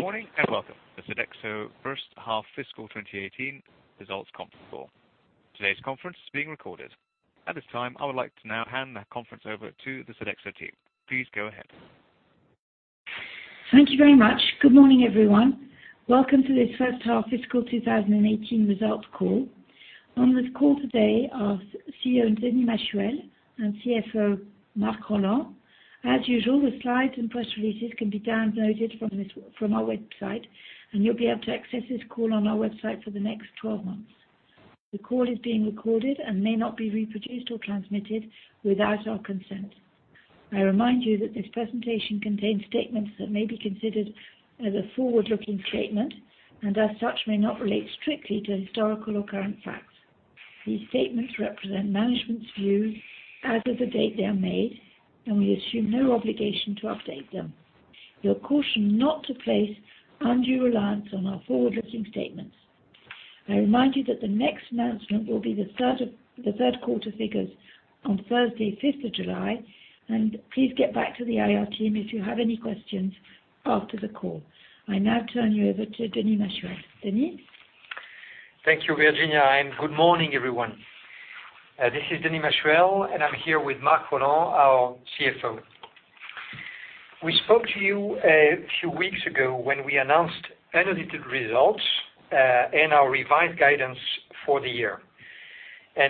Good morning, welcome to Sodexo first-half fiscal 2018 results conference call. Today's conference is being recorded. At this time, I would like to now hand the conference over to the Sodexo team. Please go ahead. Thank you very much. Good morning, everyone. Welcome to this first-half fiscal 2018 results call. On this call today are CEO, Denis Machuel, and CFO, Marc Rolland. As usual, the slides and press releases can be downloaded from our website, you'll be able to access this call on our website for the next 12 months. The call is being recorded and may not be reproduced or transmitted without our consent. I remind you that this presentation contains statements that may be considered as a forward-looking statement, as such, may not relate strictly to historical or current facts. These statements represent management's views as of the date they are made, we assume no obligation to update them. You are cautioned not to place undue reliance on our forward-looking statements. I remind you that the next announcement will be the third quarter figures on Thursday, 5th of July, please get back to the IR team if you have any questions after the call. I now turn you over to Denis Machuel. Denis? Thank you, Virginia, good morning, everyone. This is Denis Machuel, I'm here with Marc Rolland, our CFO. We spoke to you a few weeks ago when we announced analytical results, our revised guidance for the year.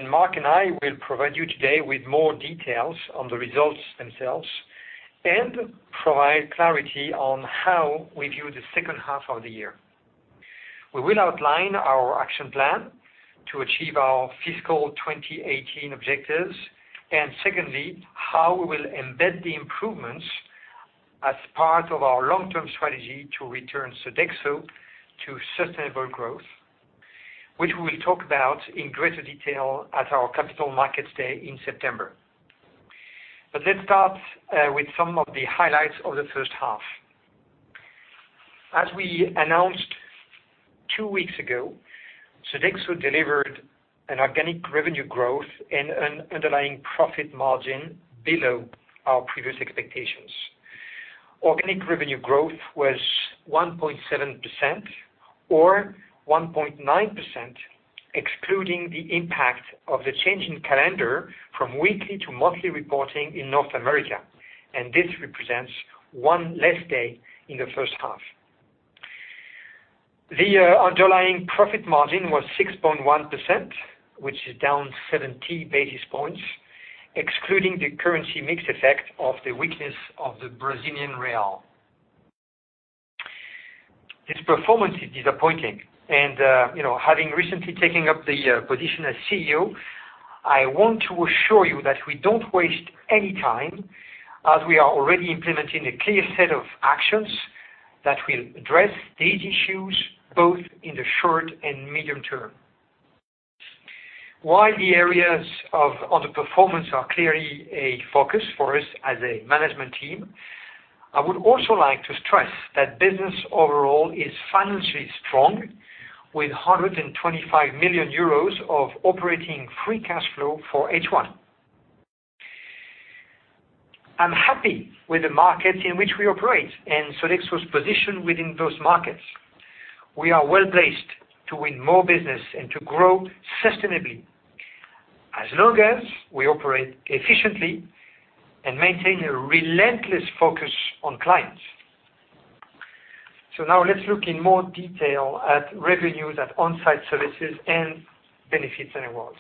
Marc and I will provide you today with more details on the results themselves and provide clarity on how we view the second half of the year. We will outline our action plan to achieve our fiscal 2018 objectives, secondly, how we will embed the improvements as part of our long-term strategy to return Sodexo to sustainable growth, which we will talk about in greater detail at our capital markets day in September. Let's start with some of the highlights of the first half. As we announced two weeks ago, Sodexo delivered an organic revenue growth and an underlying profit margin below our previous expectations. Organic revenue growth was 1.7% or 1.9%, excluding the impact of the change in calendar from weekly to monthly reporting in North America, and this represents one less day in the first half. The underlying profit margin was 6.1%, which is down 70 basis points, excluding the currency mix effect of the weakness of the Brazilian real. This performance is disappointing and, having recently taken up the position as CEO, I want to assure you that we don't waste any time as we are already implementing a clear set of actions that will address these issues, both in the short and medium term. While the areas of underperformance are clearly a focus for us as a management team, I would also like to stress that business overall is financially strong, with 125 million euros of operating free cash flow for H1. I'm happy with the markets in which we operate and Sodexo's position within those markets. We are well-placed to win more business and to grow sustainably as long as we operate efficiently and maintain a relentless focus on clients. Now let's look in more detail at revenues at On-site Services and Benefits & Rewards.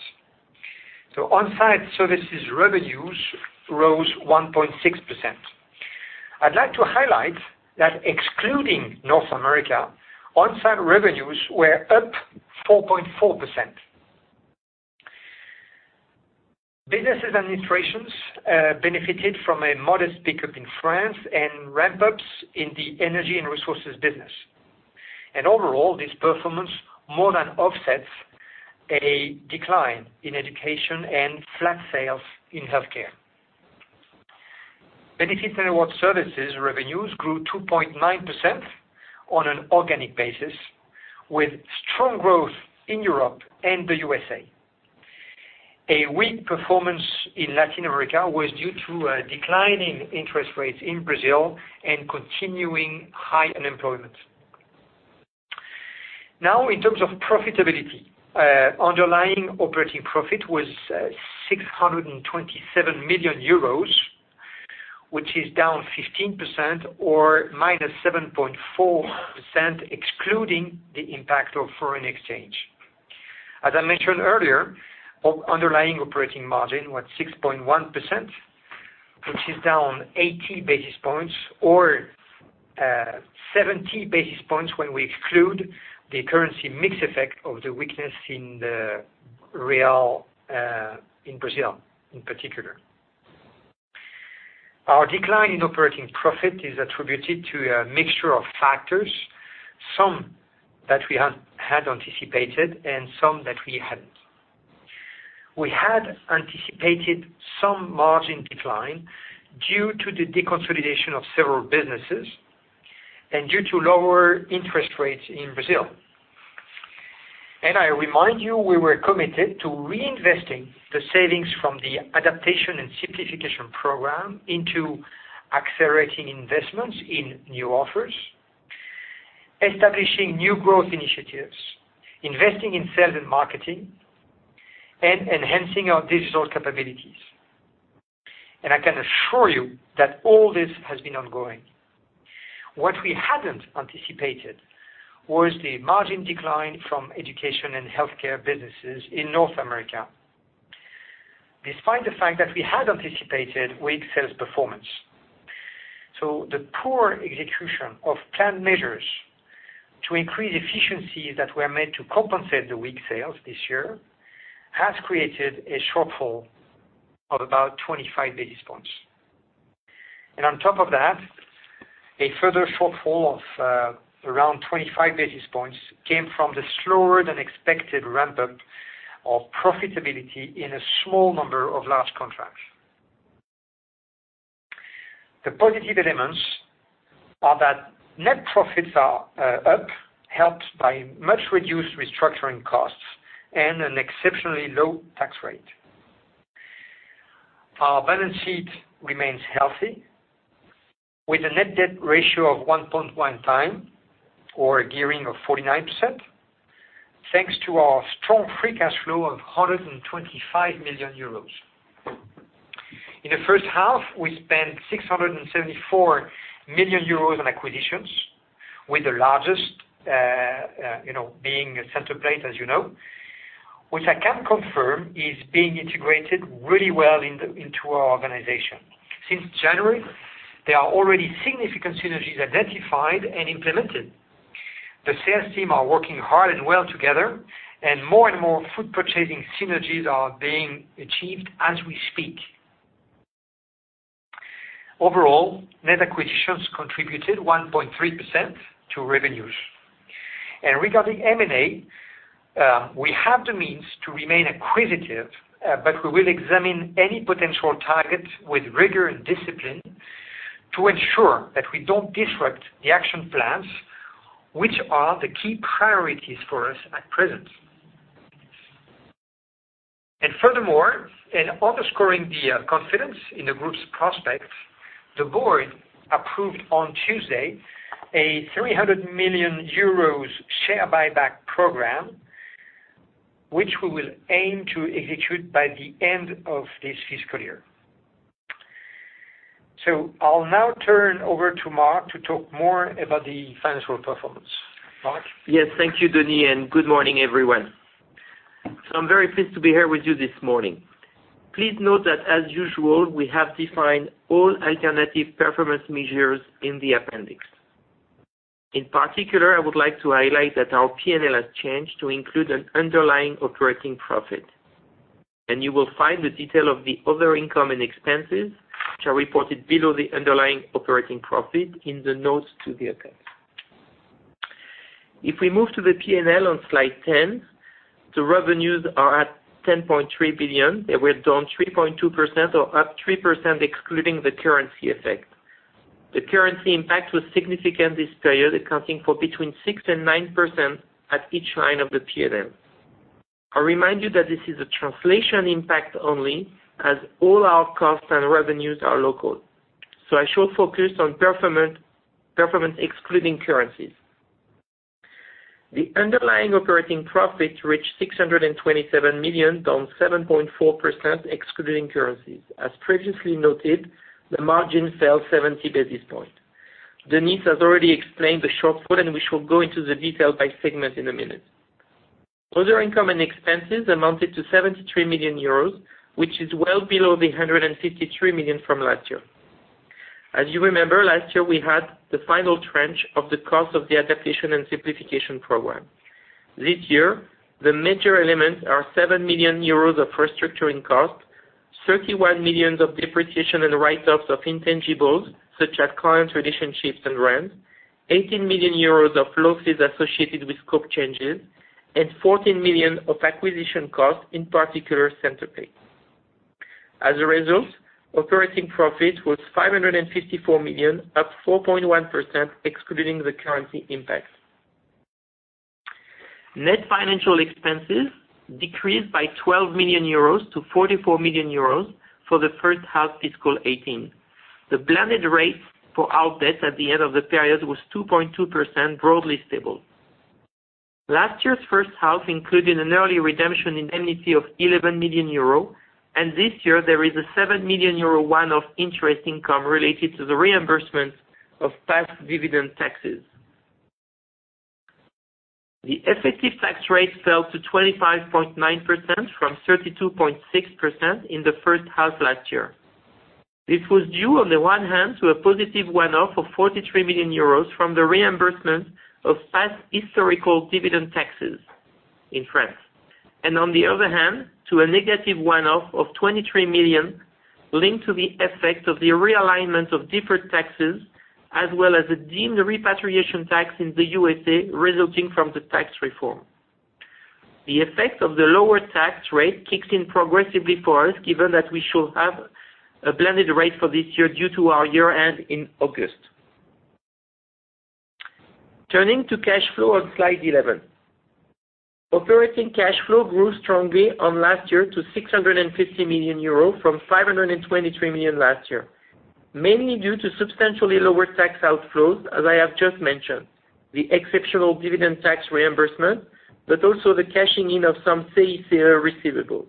On-site Services revenues rose 1.6%. I'd like to highlight that excluding North America, On-site Services revenues were up 4.4%. Businesses and institutions benefited from a modest pickup in France and ramp-ups in the energy and resources business. Overall, this performance more than offsets a decline in education and flat sales in healthcare. Benefits & Rewards Services revenues grew 2.9% on an organic basis, with strong growth in Europe and the USA. A weak performance in Latin America was due to a decline in interest rates in Brazil and continuing high unemployment. In terms of profitability, underlying operating profit was 627 million euros, which is down 15% or -7.4%, excluding the impact of foreign exchange. As I mentioned earlier, underlying operating margin was 6.1%, which is down 80 basis points or 70 basis points when we exclude the currency mix effect of the weakness in the real in Brazil, in particular. Our decline in operating profit is attributed to a mixture of factors, some that we had anticipated and some that we hadn't. We had anticipated some margin decline due to the deconsolidation of several businesses and due to lower interest rates in Brazil. I remind you, we were committed to reinvesting the savings from the Adaptation and Simplification Program into accelerating investments in new offers, establishing new growth initiatives, investing in sales and marketing, and enhancing our digital capabilities. I can assure you that all this has been ongoing. What we hadn't anticipated was the margin decline from education and healthcare businesses in North America, despite the fact that we had anticipated weak sales performance. The poor execution of planned measures to increase efficiencies that were made to compensate the weak sales this year has created a shortfall of about 25 basis points. On top of that, a further shortfall of around 25 basis points came from the slower than expected ramp-up of profitability in a small number of large contracts. The positive elements are that net profits are up, helped by much reduced restructuring costs and an exceptionally low tax rate. Our balance sheet remains healthy, with a net debt ratio of 1.1 time or a gearing of 49%, thanks to our strong free cash flow of 125 million euros. In the first half, we spent 674 million euros on acquisitions with the largest being Centerplate, as you know, which I can confirm is being integrated really well into our organization. Since January, there are already significant synergies identified and implemented. The sales team are working hard and well together, and more and more food purchasing synergies are being achieved as we speak. Overall, net acquisitions contributed 1.3% to revenues. Regarding M&A, we have the means to remain acquisitive, but we will examine any potential target with rigor and discipline to ensure that we don't disrupt the action plans, which are the key priorities for us at present. Furthermore, in underscoring the confidence in the group's prospects, the board approved on Tuesday a 300 million euros share buyback program, which we will aim to execute by the end of this fiscal year. I'll now turn over to Marc to talk more about the financial performance. Marc? Yes. Thank you, Denis, and good morning, everyone. I'm very pleased to be here with you this morning. Please note that as usual, we have defined all alternative performance measures in the appendix. In particular, I would like to highlight that our P&L has changed to include an underlying operating profit. You will find the detail of the other income and expenses, which are reported below the underlying operating profit in the notes to the appendix. If we move to the P&L on slide 10, the revenues are at 10.3 billion. They were down 3.2% or up 3% excluding the currency effect. The currency impact was significant this period, accounting for between 6% and 9% at each line of the P&L. I remind you that this is a translation impact only, as all our costs and revenues are local. I shall focus on performance excluding currencies. The underlying operating profit reached 627 million, down 7.4% excluding currencies. As previously noted, the margin fell 70 basis point. Denis has already explained the shortfall. We shall go into the detail by segment in a minute. Other income and expenses amounted to 73 million euros, which is well below the 153 million from last year. As you remember, last year, we had the final tranche of the cost of the adaptation and simplification program. This year, the major elements are 7 million euros of restructuring costs, 31 million of depreciation and write-offs of intangibles, such as client relationships and rents, 18 million euros of losses associated with scope changes, and 14 million of acquisition costs, in particular, Centerplate. As a result, operating profit was 554 million, up 4.1% excluding the currency impact. Net financial expenses decreased by 12 million euros to 44 million euros for the first half fiscal 2018. The blended rate for our debt at the end of the period was 2.2%, broadly stable. Last year's first half included an early redemption indemnity of 11 million euro, and this year there is a 7 million euro one-off interest income related to the reimbursement of past dividend taxes. The effective tax rate fell to 25.9% from 32.6% in the first half last year. This was due, on the one hand, to a positive one-off of 43 million euros from the reimbursement of past historical dividend taxes in France. On the other hand, to a negative one-off of 23 million linked to the effect of the realignment of deferred taxes, as well as a deemed repatriation tax in the U.S.A. resulting from the tax reform. The effect of the lower tax rate kicks in progressively for us, given that we shall have a blended rate for this year due to our year-end in August. Turning to cash flow on slide 11. Operating cash flow grew strongly on last year to 650 million euro from 523 million last year, mainly due to substantially lower tax outflows, as I have just mentioned, the exceptional dividend tax reimbursement, but also the cashing in of some CICE receivables.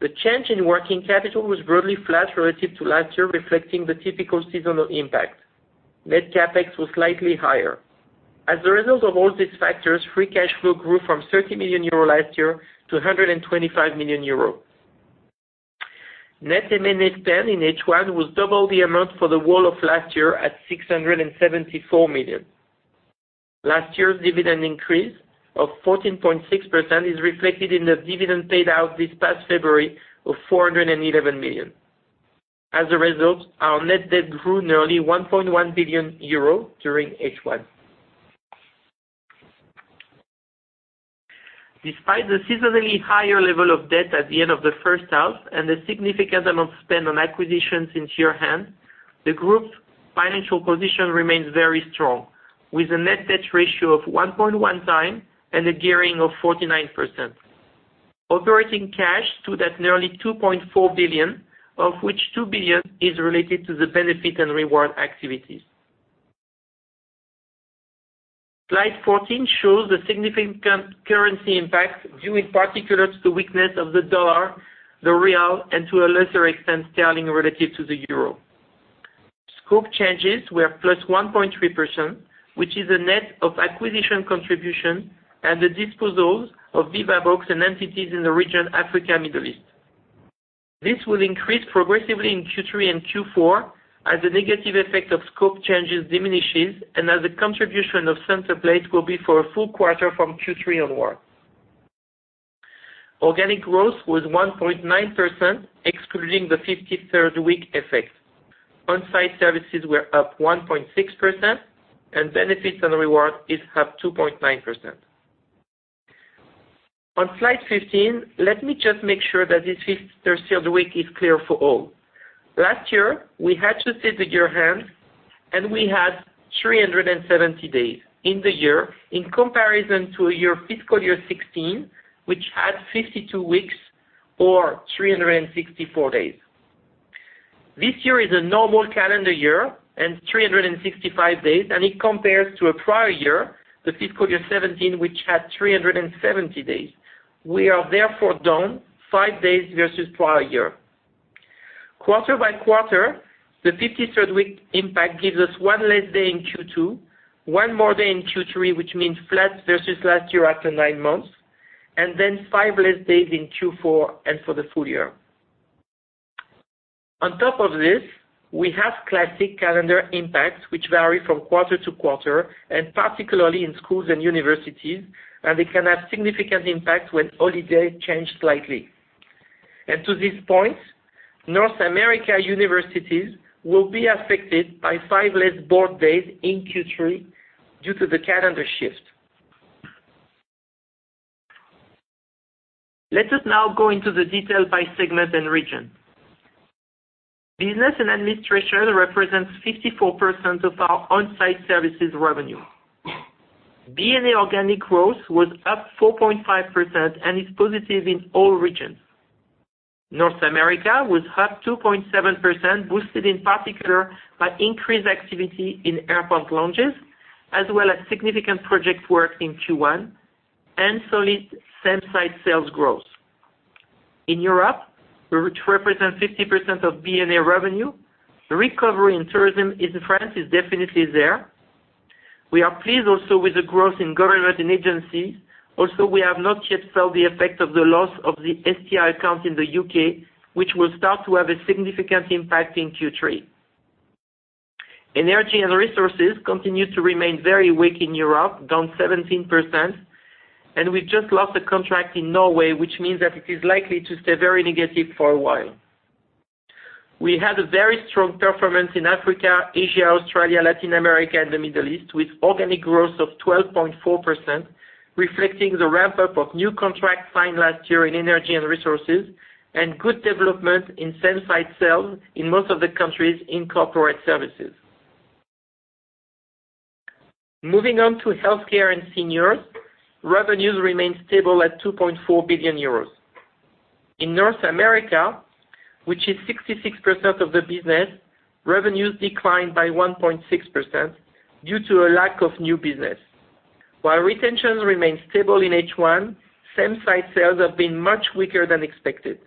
The change in working capital was broadly flat relative to last year, reflecting the typical seasonal impact. Net CapEx was slightly higher. As a result of all these factors, free cash flow grew from 30 million euro last year to 125 million euro. Net M&A spend in H1 was double the amount for the whole of last year at 674 million. Last year's dividend increase of 14.6% is reflected in the dividend paid out this past February of 411 million. As a result, our net debt grew nearly 1.1 billion euro during H1. Despite the seasonally higher level of debt at the end of the first half and the significant amount spent on acquisitions in year-end, the group's financial position remains very strong, with a net debt ratio of 1.1 times and a gearing of 49%. Operating cash stood at nearly 2.4 billion, of which 2 billion is related to the Benefits & Rewards activities. Slide 14 shows the significant currency impact, due in particular to the weakness of the dollar, the real, and to a lesser extent, sterling relative to the euro. Scope changes were +1.3%, which is a net of acquisition contribution and the disposals of Vivabox and entities in the region Africa, Middle East. This will increase progressively in Q3 and Q4 as the negative effect of scope changes diminishes and as the contribution of Centerplate will be for a full quarter from Q3 onwards. Organic growth was 1.9%, excluding the 53rd week effect. On-site services were up 1.6%, and Benefits & Rewards is up 2.9%. On slide 15, let me just make sure that this 53rd week is clear for all. Last year, we had 52 year-ends, and we had 370 days in the year in comparison to your fiscal year 2016, which had 52 weeks or 364 days. This year is a normal calendar year and 365 days, and it compares to a prior year, the fiscal year 2017, which had 370 days. We are therefore down five days versus prior year. Quarter by quarter, the 53rd week impact gives us one less day in Q2, one more day in Q3, which means flat versus last year after nine months, then five less days in Q4 and for the full year. On top of this, we have classic calendar impacts which vary from quarter to quarter and particularly in schools and universities, and they can have significant impact when holiday change slightly. To this point, North America universities will be affected by five less board days in Q3 due to the calendar shift. Let us now go into the detail by segment and region. Business & Administration represents 54% of our on-site services revenue. B&A organic growth was up 4.5% and is positive in all regions. North America, was up 2.7%, boosted in particular by increased activity in airport lounges, as well as significant project work in Q1, solid same-site sales growth. In Europe, which represents 50% of B&A revenue, the recovery in tourism in France is definitely there. We are pleased also with the growth in government and agencies, although we have not yet felt the effect of the loss of the [STI] account in the U.K., which will start to have a significant impact in Q3. Energy and resources continue to remain very weak in Europe, down 17%, we've just lost a contract in Norway, which means that it is likely to stay very negative for a while. We had a very strong performance in Africa, Asia, Australia, Latin America, and the Middle East, with organic growth of 12.4%, reflecting the ramp-up of new contracts signed last year in energy and resources, good development in same-site sales in most of the countries in corporate services. Moving on to Healthcare & Seniors, revenues remain stable at 2.4 billion euros. In North America, which is 66% of the business, revenues declined by 1.6% due to a lack of new business. While retentions remain stable in H1, same-site sales have been much weaker than expected.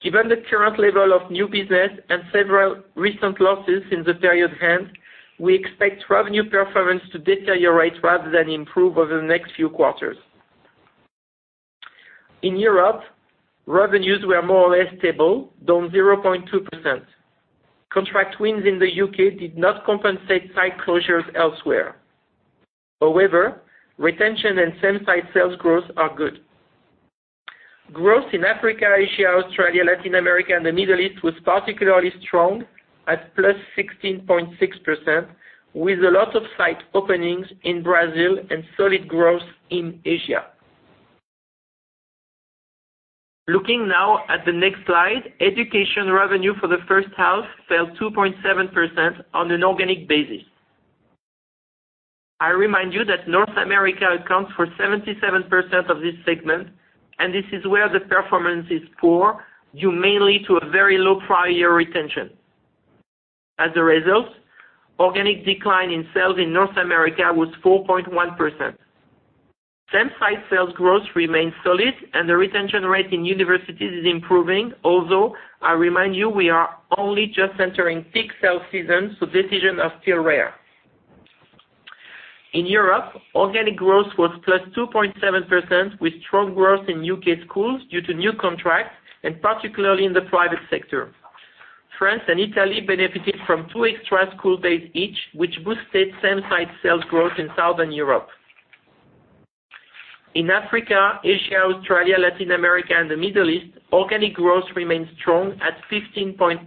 Given the current level of new business and several recent losses in the period end, we expect revenue performance to deteriorate rather than improve over the next few quarters. In Europe, revenues were more or less stable, down 0.2%. Contract wins in the U.K. did not compensate site closures elsewhere. Retention and same-site sales growth are good. Growth in Africa, Asia, Australia, Latin America, and the Middle East was particularly strong at plus 16.6%, with a lot of site openings in Brazil, solid growth in Asia. Looking now at the next slide, education revenue for the first half fell 2.7% on an organic basis. I remind you that North America accounts for 77% of this segment, this is where the performance is poor, due mainly to a very low prior year retention. As a result, organic decline in sales in North America was 4.1%. Same-site sales growth remains solid, the retention rate in universities is improving, although I remind you we are only just entering peak sales season, so decisions are still rare. In Europe, organic growth was plus 2.7%, with strong growth in U.K. schools due to new contracts, particularly in the private sector. France and Italy benefited from two extra school days each, which boosted same-site sales growth in Southern Europe. In Africa, Asia, Australia, Latin America, and the Middle East, organic growth remains strong at 15.8%,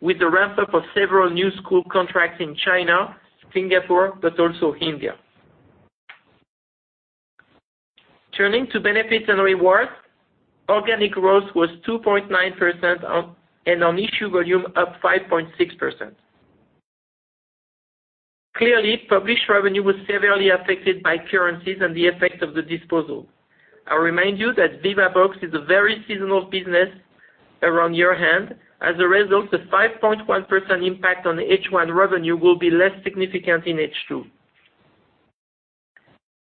with the ramp-up of several new school contracts in China, Singapore, but also India. Turning to Benefits and rewards, organic growth was 2.9%, and on-issue volume up 5.6%. Clearly, published revenue was severely affected by currencies and the effect of the disposal. I remind you that Vivabox is a very seasonal business around year-end. As a result, the 5.1% impact on H1 revenue will be less significant in H2.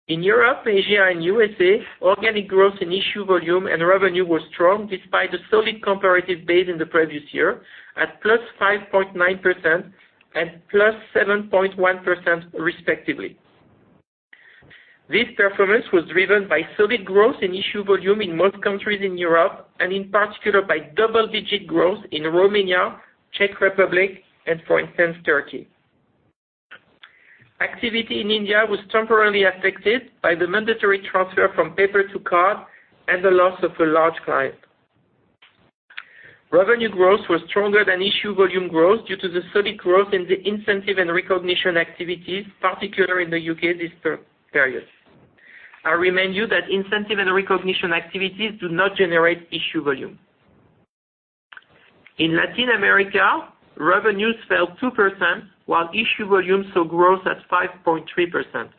In Europe, Asia, and U.S.A., organic growth in issue volume and revenue was strong despite a solid comparative base in the previous year at +5.9% and +7.1%, respectively. This performance was driven by solid growth in issue volume in most countries in Europe, and in particular by double-digit growth in Romania, Czech Republic, and, for instance, Turkey. Activity in India was temporarily affected by the mandatory transfer from paper to card and the loss of a large client. Revenue growth was stronger than issue volume growth due to the solid growth in the incentive and recognition activities, particularly in the U.K. this period. I remind you that incentive and recognition activities do not generate issue volume. In Latin America, revenues fell 2%, while issue volume saw growth at 5.3%.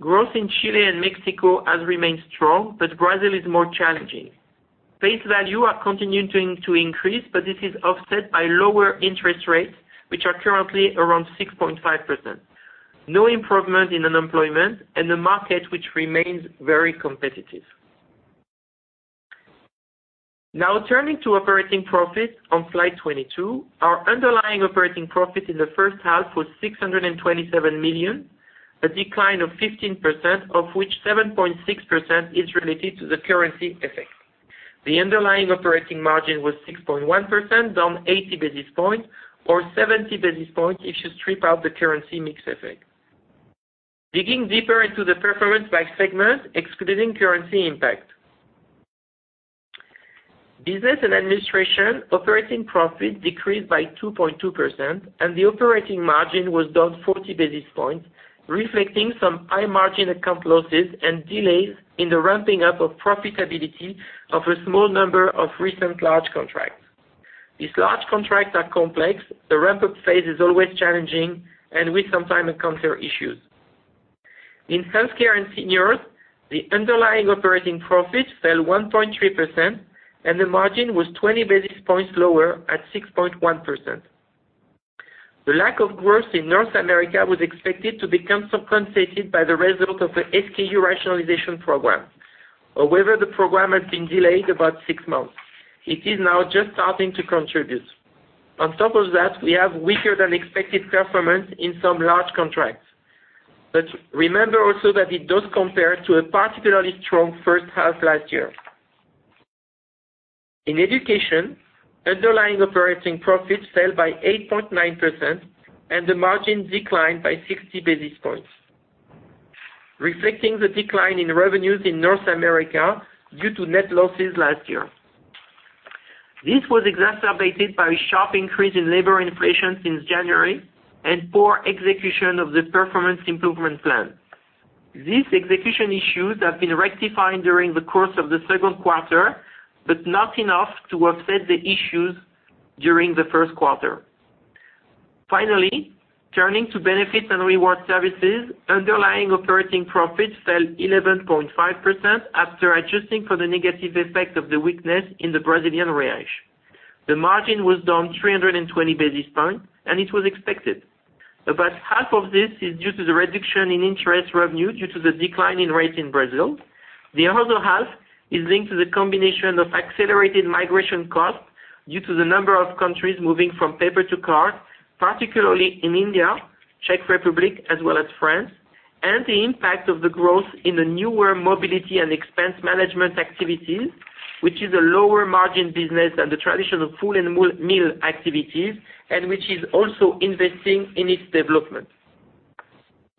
Growth in Chile and Mexico has remained strong, but Brazil is more challenging. Face value are continuing to increase, but this is offset by lower interest rates, which are currently around 6.5%. No improvement in unemployment and the market, which remains very competitive. Now turning to operating profit on slide 22. Our underlying operating profit in the first half was 627 million, a decline of 15%, of which 7.6% is related to the currency effect. The underlying operating margin was 6.1%, down 80 basis points, or 70 basis points if you strip out the currency mix effect. Digging deeper into the performance by segment, excluding currency impact. Business & Administration operating profit decreased by 2.2%, and the operating margin was down 40 basis points, reflecting some high-margin account losses and delays in the ramping up of profitability of a small number of recent large contracts. These large contracts are complex, the ramp-up phase is always challenging, and we sometimes encounter issues. In Healthcare & Seniors, the underlying operating profit fell 1.3%, and the margin was 20 basis points lower at 6.1%. The lack of growth in North America was expected to become compensated by the result of the SKU rationalization program. However, the program has been delayed about six months. It is now just starting to contribute. On top of that, we have weaker than expected performance in some large contracts. Remember also that it does compare to a particularly strong first half last year. In Education, underlying operating profit fell by 8.9%, and the margin declined by 60 basis points, reflecting the decline in revenues in North America due to net losses last year. This was exacerbated by a sharp increase in labor inflation since January and poor execution of the performance improvement plan. These execution issues have been rectified during the course of the second quarter, but not enough to offset the issues during the first quarter. Finally, turning to Benefits & Rewards Services, underlying operating profits fell 11.5% after adjusting for the negative effect of the weakness in the Brazilian real. The margin was down 320 basis points, and it was expected. About half of this is due to the reduction in interest revenue due to the decline in rates in Brazil. The other half is linked to the combination of accelerated migration costs due to the number of countries moving from paper to card, particularly in India, Czech Republic, as well as France, and the impact of the growth in the newer mobility and expense management activities, which is a lower margin business than the traditional full meal activities, and which is also investing in its development.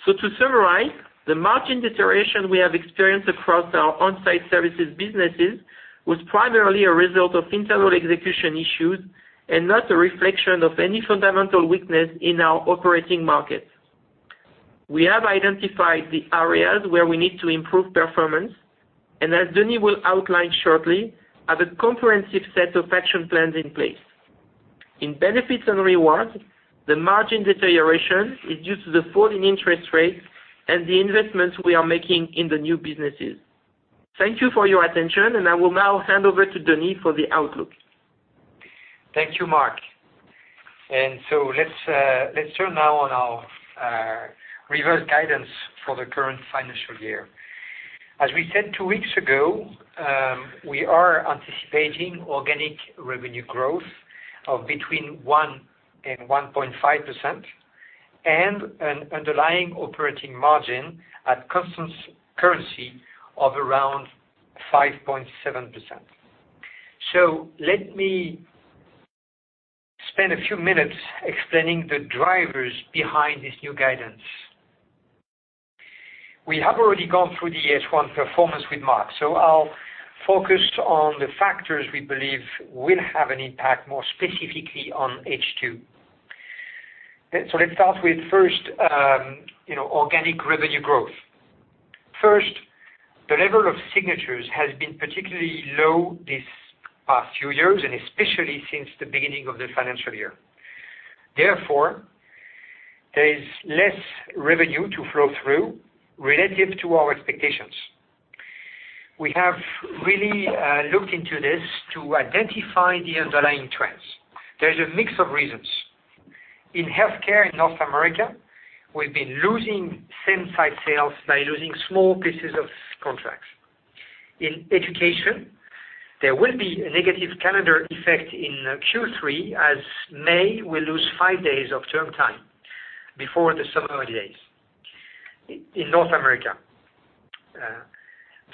To summarize, the margin deterioration we have experienced across our on-site services businesses was primarily a result of internal execution issues and not a reflection of any fundamental weakness in our operating market. We have identified the areas where we need to improve performance, as Denis will outline shortly, have a comprehensive set of action plans in place. In Benefits & Rewards, the margin deterioration is due to the fall in interest rates and the investments we are making in the new businesses. Thank you for your attention, I will now hand over to Denis for the outlook. Thank you, Marc. Let's turn now on our revised guidance for the current financial year. As we said two weeks ago, we are anticipating organic revenue growth of between 1% and 1.5% and an underlying operating margin at constant currency of around 5.7%. Let me spend a few minutes explaining the drivers behind this new guidance. We have already gone through the H1 performance with Marc, I'll focus on the factors we believe will have an impact more specifically on H2. Let's start with first organic revenue growth. First, the level of signatures has been particularly low these past few years, and especially since the beginning of the financial year. Therefore, there is less revenue to flow through relative to our expectations. We have really looked into this to identify the underlying trends. There is a mix of reasons. In healthcare in North America, we've been losing same-site sales by losing small pieces of contracts. In education, there will be a negative calendar effect in Q3, as May will lose five days of term time before the summer holidays in North America.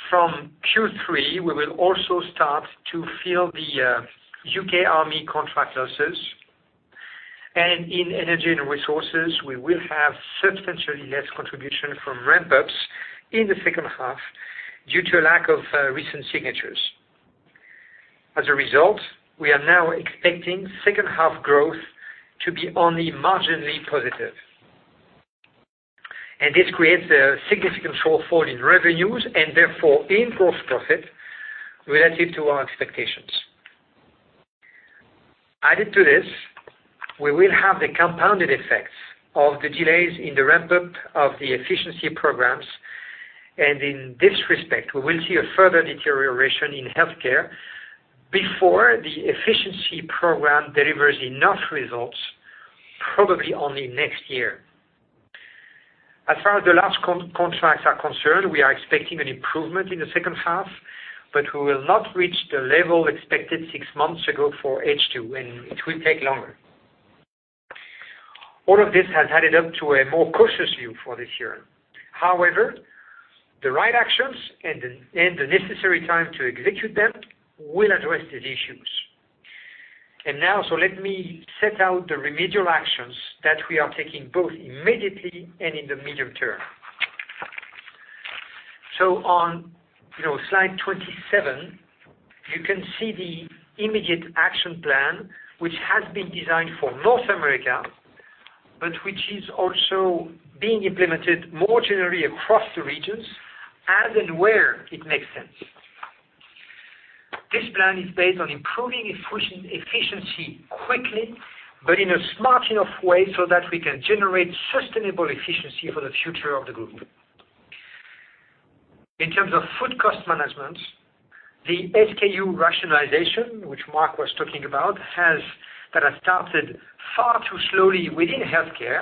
From Q3, we will also start to feel the U.K. Army contract losses. In energy and resources, we will have substantially less contribution from ramp-ups in the second half due to a lack of recent signatures. As a result, we are now expecting second half growth to be only marginally positive. This creates a significant shortfall in revenues and therefore in gross profit relative to our expectations. Added to this, we will have the compounded effects of the delays in the ramp-up of the efficiency programs, and in this respect, we will see a further deterioration in healthcare before the efficiency program delivers enough results, probably only next year. As far as the large contracts are concerned, we are expecting an improvement in the second half, but we will not reach the level expected six months ago for H2, and it will take longer. All of this has added up to a more cautious view for this year. However, the right actions and the necessary time to execute them will address these issues. Let me set out the remedial actions that we are taking both immediately and in the medium term. On slide 27, you can see the immediate action plan, which has been designed for North America, but which is also being implemented more generally across the regions as and where it makes sense. This plan is based on improving efficiency quickly, but in a smart enough way so that we can generate sustainable efficiency for the future of the group. In terms of food cost management, the SKU rationalization, which Marc was talking about, that has started far too slowly within healthcare,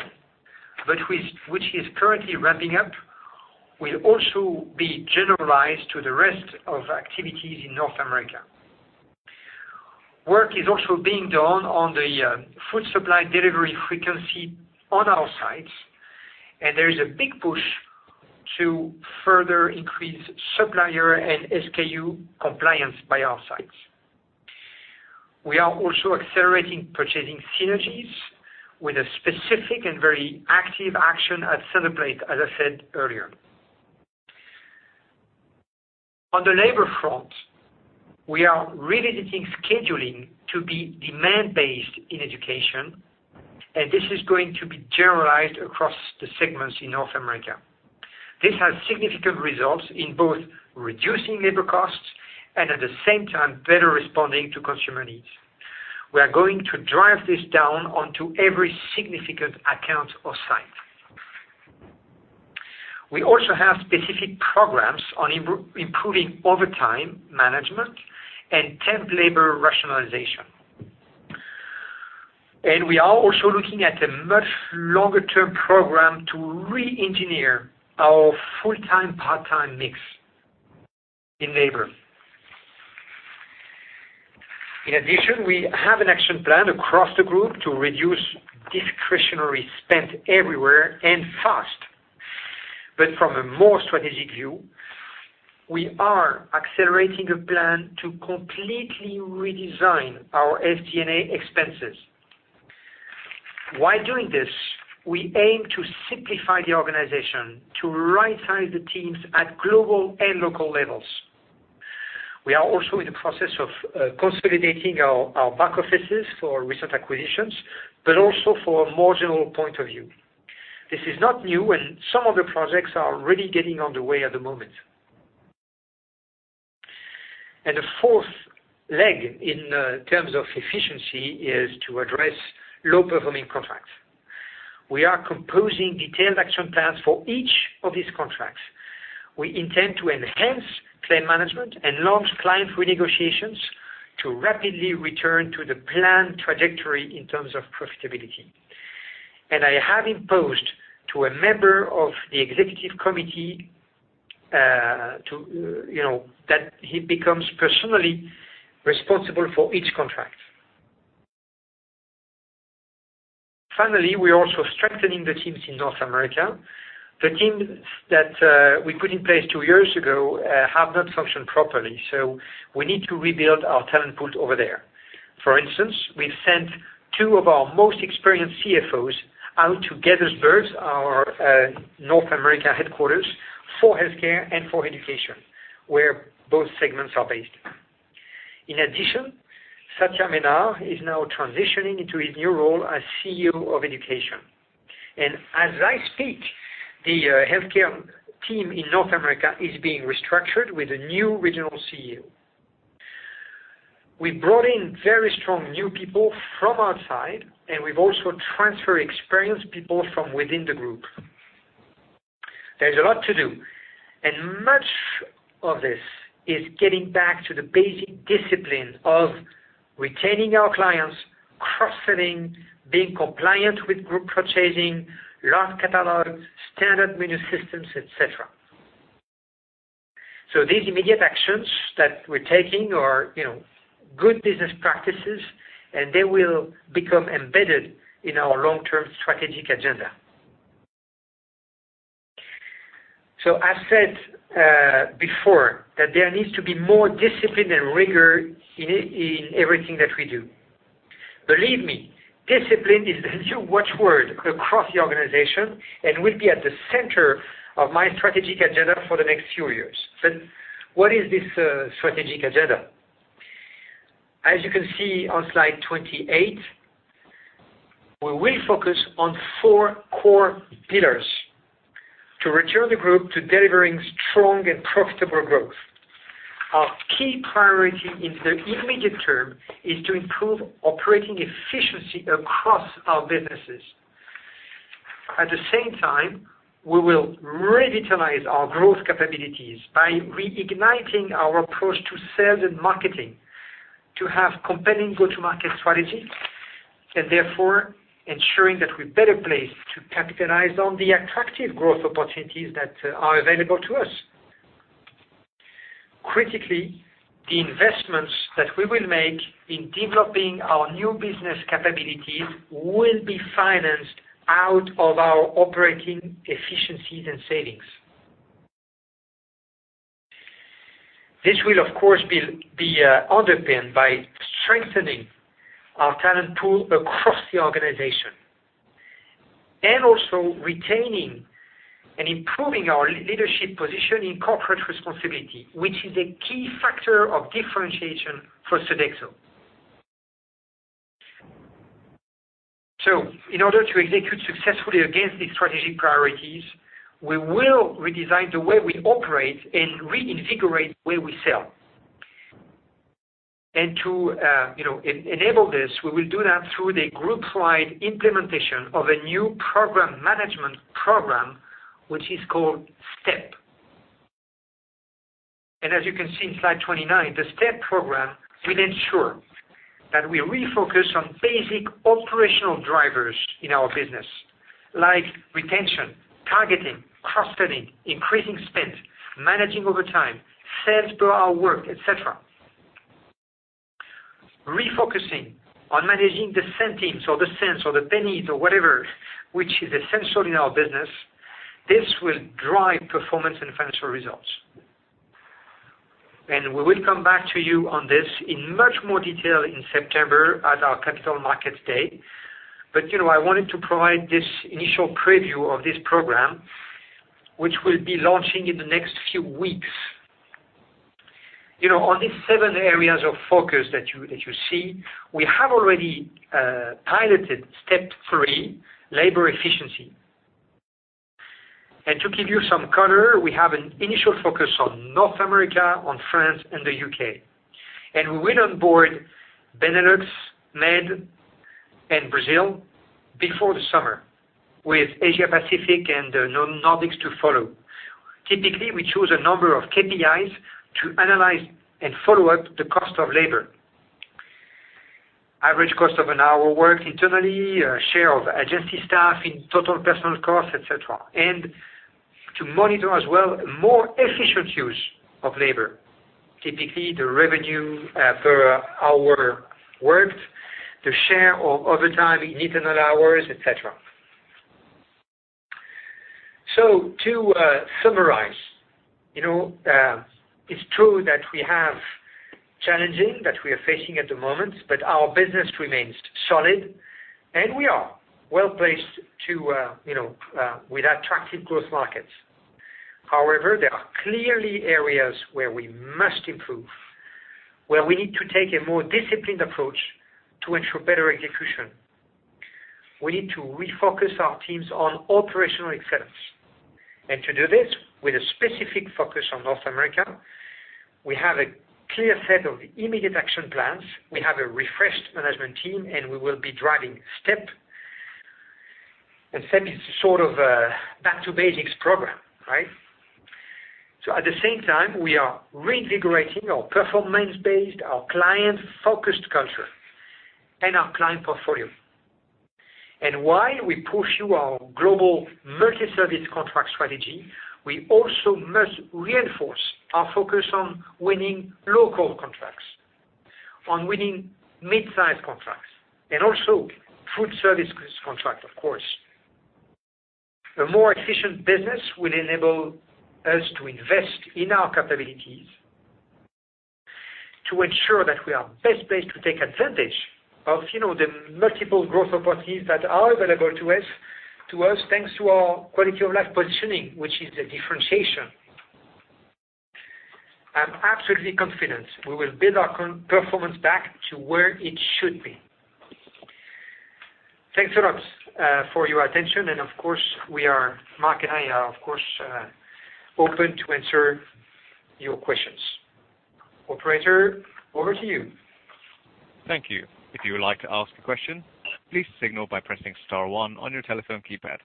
but which is currently ramping up, will also be generalized to the rest of activities in North America. Work is also being done on the food supply delivery frequency on our sites, and there is a big push to further increase supplier and SKU compliance by our sites. We are also accelerating purchasing synergies with a specific and very active action at Centerplate, as I said earlier. On the labor front, we are revisiting scheduling to be demand-based in education, and this is going to be generalized across the segments in North America. This has significant results in both reducing labor costs and at the same time better responding to consumer needs. We are going to drive this down onto every significant account or site. We also have specific programs on improving overtime management and temp labor rationalization. We are also looking at a much longer-term program to re-engineer our full-time/part-time mix in labor. In addition, we have an action plan across the group to reduce discretionary spend everywhere and fast. From a more strategic view, we are accelerating a plan to completely redesign our SG&A expenses. While doing this, we aim to simplify the organization to right-size the teams at global and local levels. We are also in the process of consolidating our back offices for recent acquisitions, but also for a marginal point of view. This is not new, and some of the projects are really getting on the way at the moment. The fourth leg in terms of efficiency is to address low-performing contracts. We are composing detailed action plans for each of these contracts. We intend to enhance claim management and launch client renegotiations to rapidly return to the planned trajectory in terms of profitability. I have imposed to a member of the executive committee that he becomes personally responsible for each contract. Finally, we are also strengthening the teams in North America. The teams that we put in place two years ago have not functioned properly. We need to rebuild our talent pool over there. For instance, we've sent two of our most experienced CFOs out to Gaithersburg, our North America headquarters, for healthcare and for education, where both segments are based. In addition, Satya Menard is now transitioning into his new role as CEO of education. As I speak, the healthcare team in North America is being restructured with a new regional CEO. We brought in very strong new people from outside, and we've also transferred experienced people from within the group. There's a lot to do, and much of this is getting back to the basic discipline of retaining our clients, cross-selling, being compliant with group purchasing, large catalogs, standard menu systems, et cetera. These immediate actions that we're taking are good business practices, and they will become embedded in our long-term strategic agenda. I've said before that there needs to be more discipline and rigor in everything that we do. Believe me, discipline is the new watchword across the organization and will be at the center of my strategic agenda for the next few years. What is this strategic agenda? As you can see on slide 28, we will focus on four core pillars to return the group to delivering strong and profitable growth. Our key priority in the immediate term is to improve operating efficiency across our businesses. At the same time, we will revitalize our growth capabilities by reigniting our approach to sales and marketing to have compelling go-to-market strategy, and therefore ensuring that we're better placed to capitalize on the attractive growth opportunities that are available to us. Critically, the investments that we will make in developing our new business capabilities will be financed out of our operating efficiencies and savings. This will, of course, be underpinned by strengthening our talent pool across the organization. Also retaining and improving our leadership position in corporate responsibility, which is a key factor of differentiation for Sodexo. In order to execute successfully against these strategic priorities, we will redesign the way we operate and reinvigorate the way we sell. To enable this, we will do that through the group-wide implementation of a new program management program, which is called STEP. As you can see in slide 29, the STEP program will ensure that we refocus on basic operational drivers in our business, like retention, targeting, cross-selling, increasing spend, managing overtime, sales per hour worked, et cetera. Refocusing on managing the centimes or the cents or the pennies or whatever, which is essential in our business. This will drive performance and financial results. We will come back to you on this in much more detail in September at our Capital Markets Day. I wanted to provide this initial preview of this program, which we'll be launching in the next few weeks. On these seven areas of focus that you see, we have already piloted STEP 3, labor efficiency. To give you some color, we have an initial focus on North America, on France, and the U.K. We will onboard Benelux, Med, and Brazil before the summer, with Asia Pacific and Nordics to follow. Typically, we choose a number of KPIs to analyze and follow up the cost of labor. Average cost of an hour worked internally, share of agency staff in total personal costs, et cetera. To monitor as well more efficient use of labor. Typically, the revenue per hour worked, the share of overtime in internal hours, et cetera. To summarize, it's true that we have challenging that we are facing at the moment, our business remains solid, and we are well-placed with attractive growth markets. However, there are clearly areas where we must improve, where we need to take a more disciplined approach to ensure better execution. We need to refocus our teams on operational excellence. To do this, with a specific focus on North America, we have a clear set of immediate action plans. We have a refreshed management team, and we will be driving STEP. STEP is sort of a back-to-basics program. At the same time, we are reinvigorating our performance-based, our client-focused culture, and our client portfolio. While we pursue our global multi-service contract strategy, we also must reinforce our focus on winning local contracts, on winning mid-size contracts, and also food service contracts, of course. A more efficient business will enable us to invest in our capabilities to ensure that we are best placed to take advantage of the multiple growth opportunities that are available to us, thanks to our quality of life positioning, which is the differentiation. I'm absolutely confident we will build our performance back to where it should be. Thanks a lot for your attention. Of course, Marc and I are open to answer your questions. Operator, over to you. Thank you. If you would like to ask a question, please signal by pressing star one on your telephone keypad.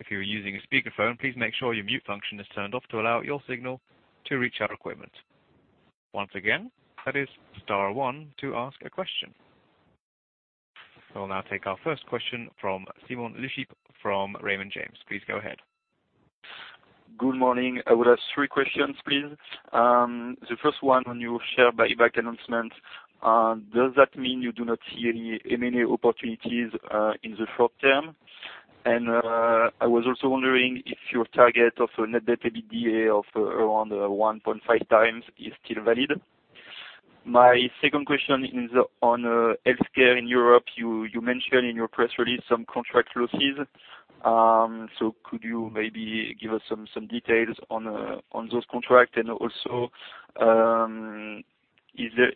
If you are using a speakerphone, please make sure your mute function is turned off to allow your signal to reach our equipment. Once again, that is star one to ask a question. We'll now take our first question from Simon Lechipre from Raymond James. Please go ahead. Good morning. I would ask three questions, please. The first one on your share buyback announcement. Does that mean you do not see any M&A opportunities in the short term? I was also wondering if your target of a net debt to EBITDA of around 1.5 times is still valid. My second question is on healthcare in Europe. You mentioned in your press release some contract losses. Could you maybe give us some details on those contracts? Also, is there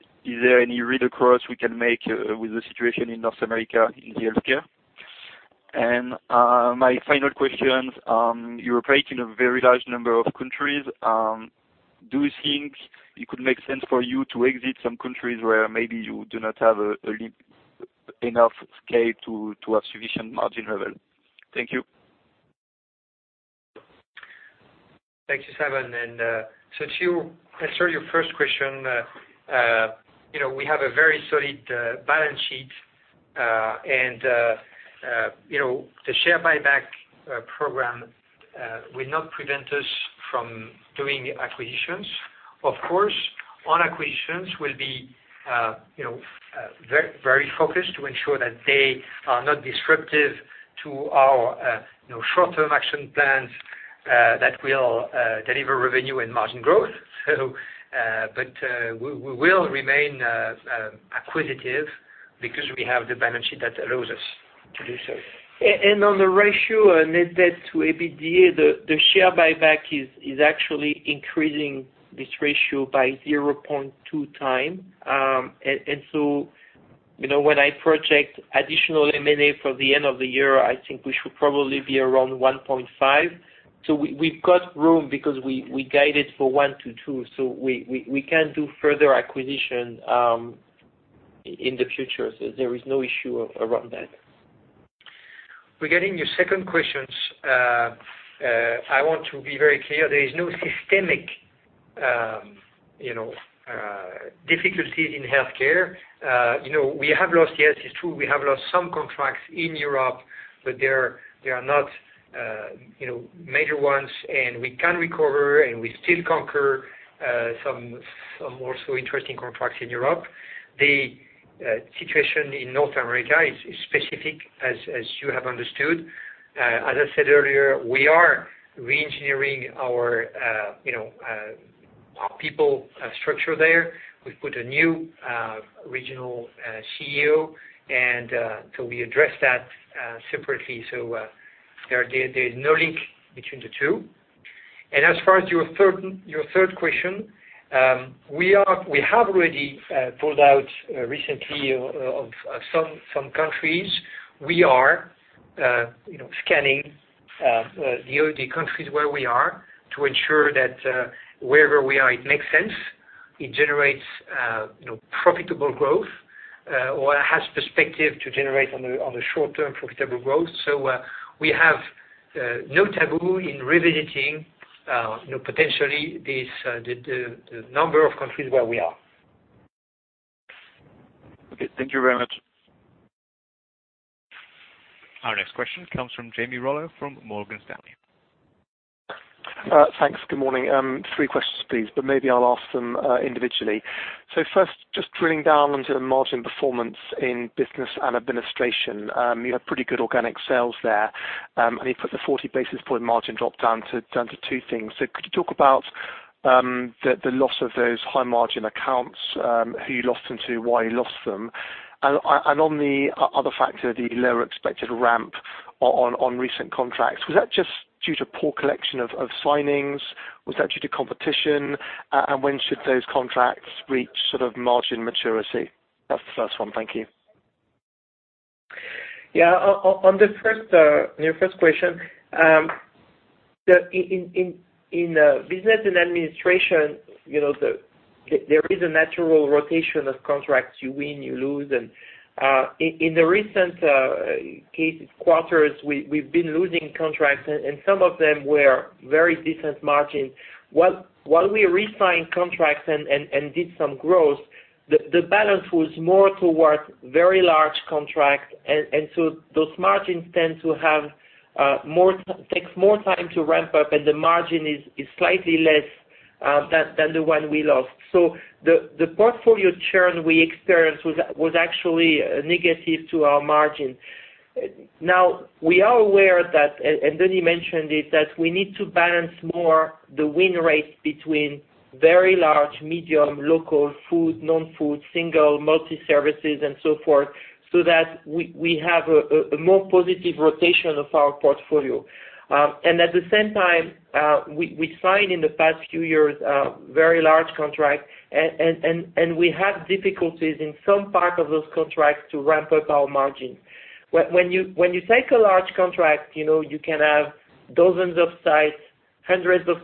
any read-across we can make with the situation in North America in healthcare? My final question, you operate in a very large number of countries. Do you think it could make sense for you to exit some countries where maybe you do not have enough scale to have sufficient margin level? Thank you. Thanks, Simon. To answer your first question, we have a very solid balance sheet. The share buyback program will not prevent us from doing acquisitions. Of course, on acquisitions, we will be very focused to ensure that they are not disruptive to our short-term action plans that will deliver revenue and margin growth. We will remain acquisitive because we have the balance sheet that allows us to do so. On the ratio, net debt to EBITDA, the share buyback is actually increasing this ratio by 0.2 times. When I project additional M&A for the end of the year, I think we should probably be around 1.5. We have got room because we guided for 1 to 2. We can do further acquisition in the future. There is no issue around that. Regarding your second questions, I want to be very clear. There is no systemic difficulties in healthcare. Yes, it is true we have lost some contracts in Europe, but they are not major ones, and we can recover, and we still conquer some also interesting contracts in Europe. The situation in North America is specific, as you have understood. As I said earlier, we are re-engineering our people structure there. We put a new regional CEO. We address that separately. There is no link between the two. As far as your third question, we have already pulled out recently of some countries. We are scanning the countries where we are to ensure that wherever we are, it makes sense. It generates profitable growth, or has perspective to generate on the short-term profitable growth. We have no taboo in revisiting potentially the number of countries where we are. Okay. Thank you very much. Our next question comes from Jamie Rollo from Morgan Stanley. Thanks. Good morning. Three questions, please, but maybe I'll ask them individually. First, just drilling down into the margin performance in Business & Industry. You have pretty good organic sales there. You put the 40 basis point margin drop down to two things. Could you talk about the loss of those high margin accounts, who you lost them to, why you lost them. On the other factor, the lower expected ramp on recent contracts, was that just due to poor collection of signings? Was that due to competition? When should those contracts reach sort of margin maturity? That's the first one. Thank you. Yeah. On your first question, in Business & Industry, there is a natural rotation of contracts. You win, you lose, in the recent case quarters, we've been losing contracts, some of them were very decent margin. While we resigned contracts and did some growth, the balance was more towards very large contracts, those margins takes more time to ramp up, the margin is slightly less than the one we lost. The portfolio churn we experienced was actually negative to our margin. Now, we are aware that, Denis mentioned it, that we need to balance more the win rates between very large, medium, local, food, non-food, single, multi-services, and so forth, so that we have a more positive rotation of our portfolio. At the same time, we signed in the past few years, very large contract, and we had difficulties in some part of those contracts to ramp up our margins. When you take a large contract, you can have dozens of sites, hundreds of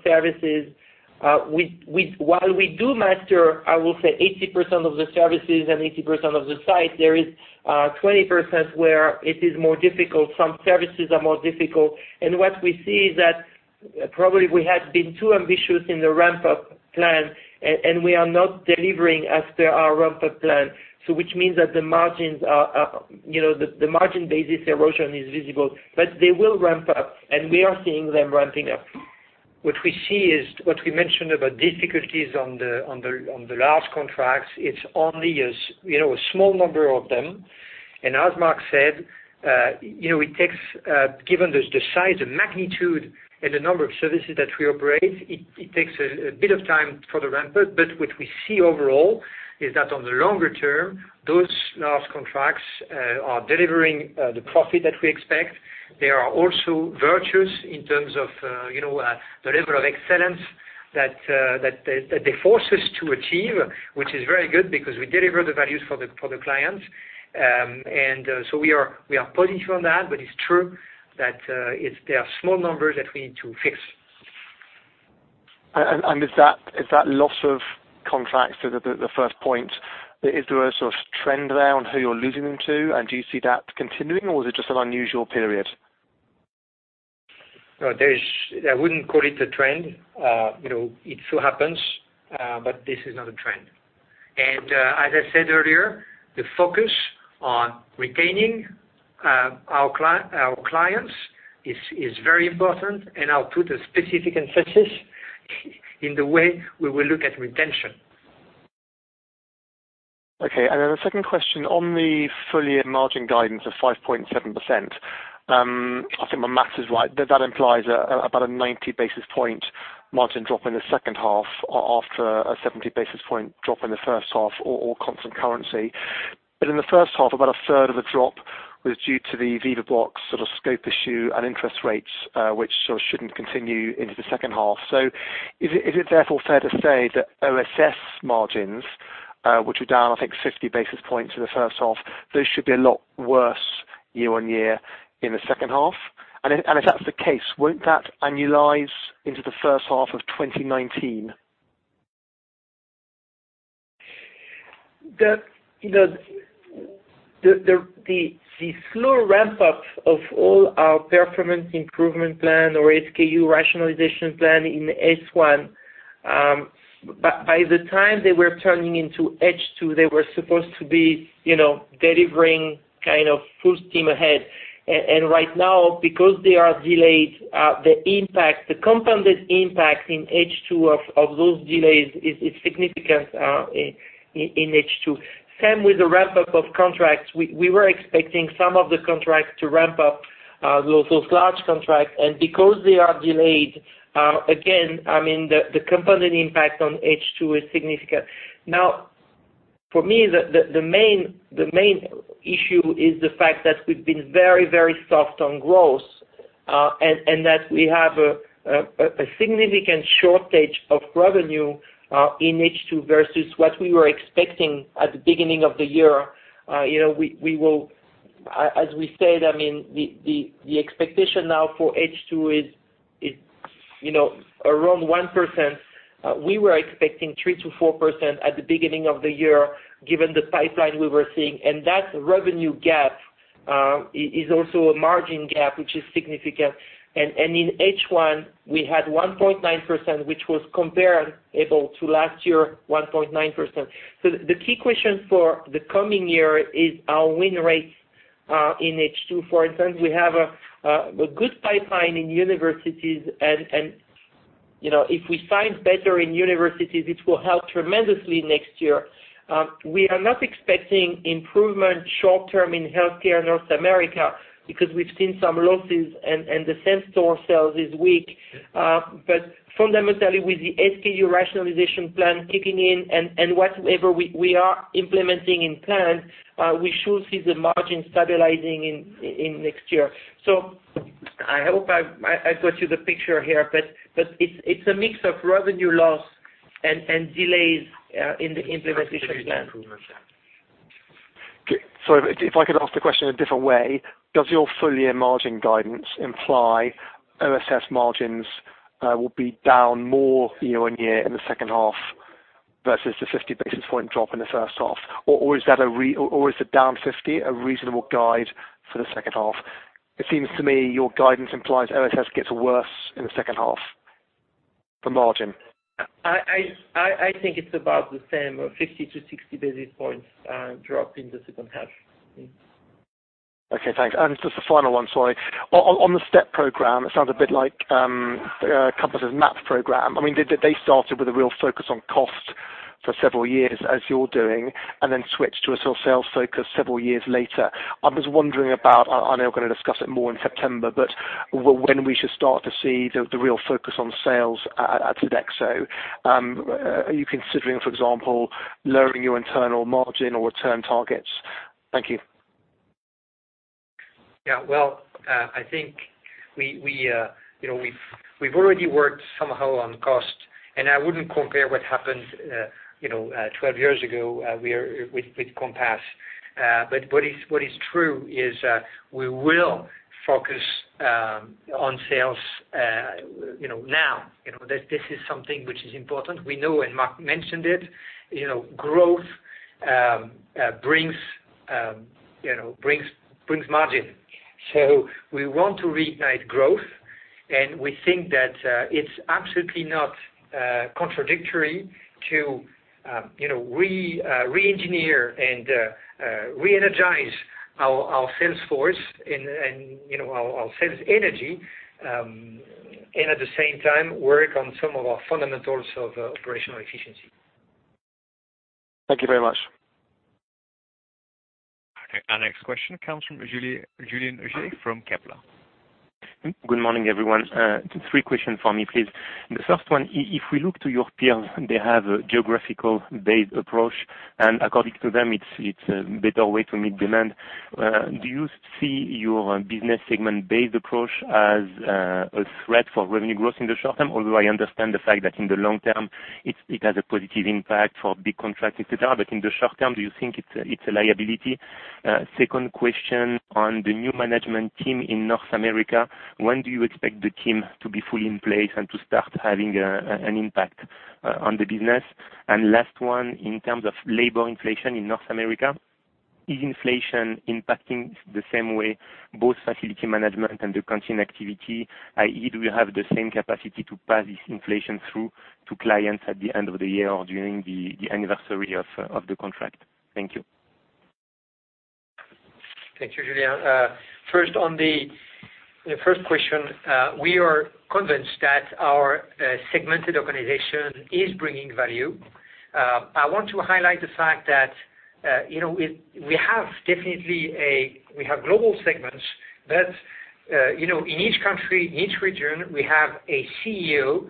services. While we do master, I will say, 80% of the services and 20% of the sites, there is 20% where it is more difficult. Some services are more difficult. What we see is that probably we had been too ambitious in the ramp-up plan, and we are not delivering as per our ramp-up plan. Which means that the margin basis erosion is visible. But they will ramp up, and we are seeing them ramping up. What we see is what we mentioned about difficulties on the large contracts. It's only a small number of them. As Marc said, given the size, the magnitude, and the number of services that we operate, it takes a bit of time for the ramp-up. What we see overall is that on the longer term, those large contracts are delivering the profit that we expect. They are also virtuous in terms of the level of excellence that they force us to achieve, which is very good because we deliver the values for the clients. We are positive on that, but it's true that there are small numbers that we need to fix. Is that loss of contracts, the first point, is there a sort of trend there on who you're losing them to? Do you see that continuing, or is it just an unusual period? No, I wouldn't call it a trend. It so happens, but this is not a trend. As I said earlier, the focus on retaining our clients is very important, and I'll put a specific emphasis in the way we will look at retention. Okay. Then the second question on the full year margin guidance of 5.7%. I think my math is right. That implies about a 90 basis point margin drop in the second half after a 70 basis point drop in the first half or constant currency. In the first half, about a third of the drop was due to the Vivabox sort of scope issue and interest rates, which sort of shouldn't continue into the second half. Is it therefore fair to say that OSS margins, which were down, I think, 50 basis points in the first half, those should be a lot worse year-over-year in the second half? If that's the case, won't that annualize into the first half of 2019? The slow ramp-up of all our performance improvement plan or SKU rationalization plan in H1. By the time they were turning into H2, they were supposed to be delivering kind of full steam ahead. Right now, because they are delayed, the compounded impact in H2 of those delays is significant in H2. Same with the ramp-up of contracts. We were expecting some of the contracts to ramp up, those large contracts. Because they are delayed, again, the compounded impact on H2 is significant. For me, the main issue is the fact that we've been very soft on growth, and that we have a significant shortage of revenue in H2 versus what we were expecting at the beginning of the year. As we said, the expectation now for H2 is around 1%. We were expecting 3%-4% at the beginning of the year, given the pipeline we were seeing. That revenue gap is also a margin gap, which is significant. In H1, we had 1.9%, which was comparable to last year, 1.9%. The key question for the coming year is our win rates in H2. For instance, we have a good pipeline in universities and If we find better in universities, it will help tremendously next year. We are not expecting improvement short-term in healthcare North America, because we've seen some losses and the same-store sales is weak. Fundamentally, with the SKU rationalization plan kicking in and whatever we are implementing in plan, we should see the margin stabilizing in next year. I hope I've got you the picture here, but it's a mix of revenue loss and delays in the implementation plan. Sorry, if I could ask the question a different way, does your full-year margin guidance imply OSS margins will be down more year-over-year in the second half versus the 50 basis point drop in the first half? Is the down 50 a reasonable guide for the second half? It seems to me your guidance implies OSS gets worse in the second half, the margin. I think it's about the same, 50-60 basis points drop in the second half. Okay, thanks. Just a final one, sorry. On the STEP program, it sounds a bit like Compass's MAP program. They started with a real focus on cost for several years, as you're doing, then switched to a sort of sales focus several years later. I was wondering about, I know we're going to discuss it more in September, but when we should start to see the real focus on sales at Sodexo. Are you considering, for example, lowering your internal margin or return targets? Thank you. Yeah. Well, I think we've already worked somehow on cost. I wouldn't compare what happened 12 years ago with Compass. What is true is, we will focus on sales now. This is something which is important. We know, Marc mentioned it, growth brings margin. We want to reignite growth, we think that it's absolutely not contradictory to re-engineer and re-energize our sales force and our sales energy, at the same time, work on some of our fundamentals of operational efficiency. Thank you very much. Our next question comes from Julien Richer from Kepler. Good morning, everyone. Three questions for me, please. The first one, if we look to your peers, they have a geographical-based approach. According to them, it's a better way to meet demand. Do you see your business segment-based approach as a threat for revenue growth in the short term? Although I understand the fact that in the long term, it has a positive impact for big contracts, et cetera. In the short term, do you think it's a liability? Second question on the new management team in North America. When do you expect the team to be fully in place and to start having an impact on the business? Last one, in terms of labor inflation in North America, is inflation impacting the same way both Facilities Management and the canteen activity, i.e., do we have the same capacity to pass this inflation through to clients at the end of the year or during the anniversary of the contract? Thank you. Thank you, Julien. On the first question, we are convinced that our segmented organization is bringing value. I want to highlight the fact that, we have global segments, but in each country, in each region, we have a CEO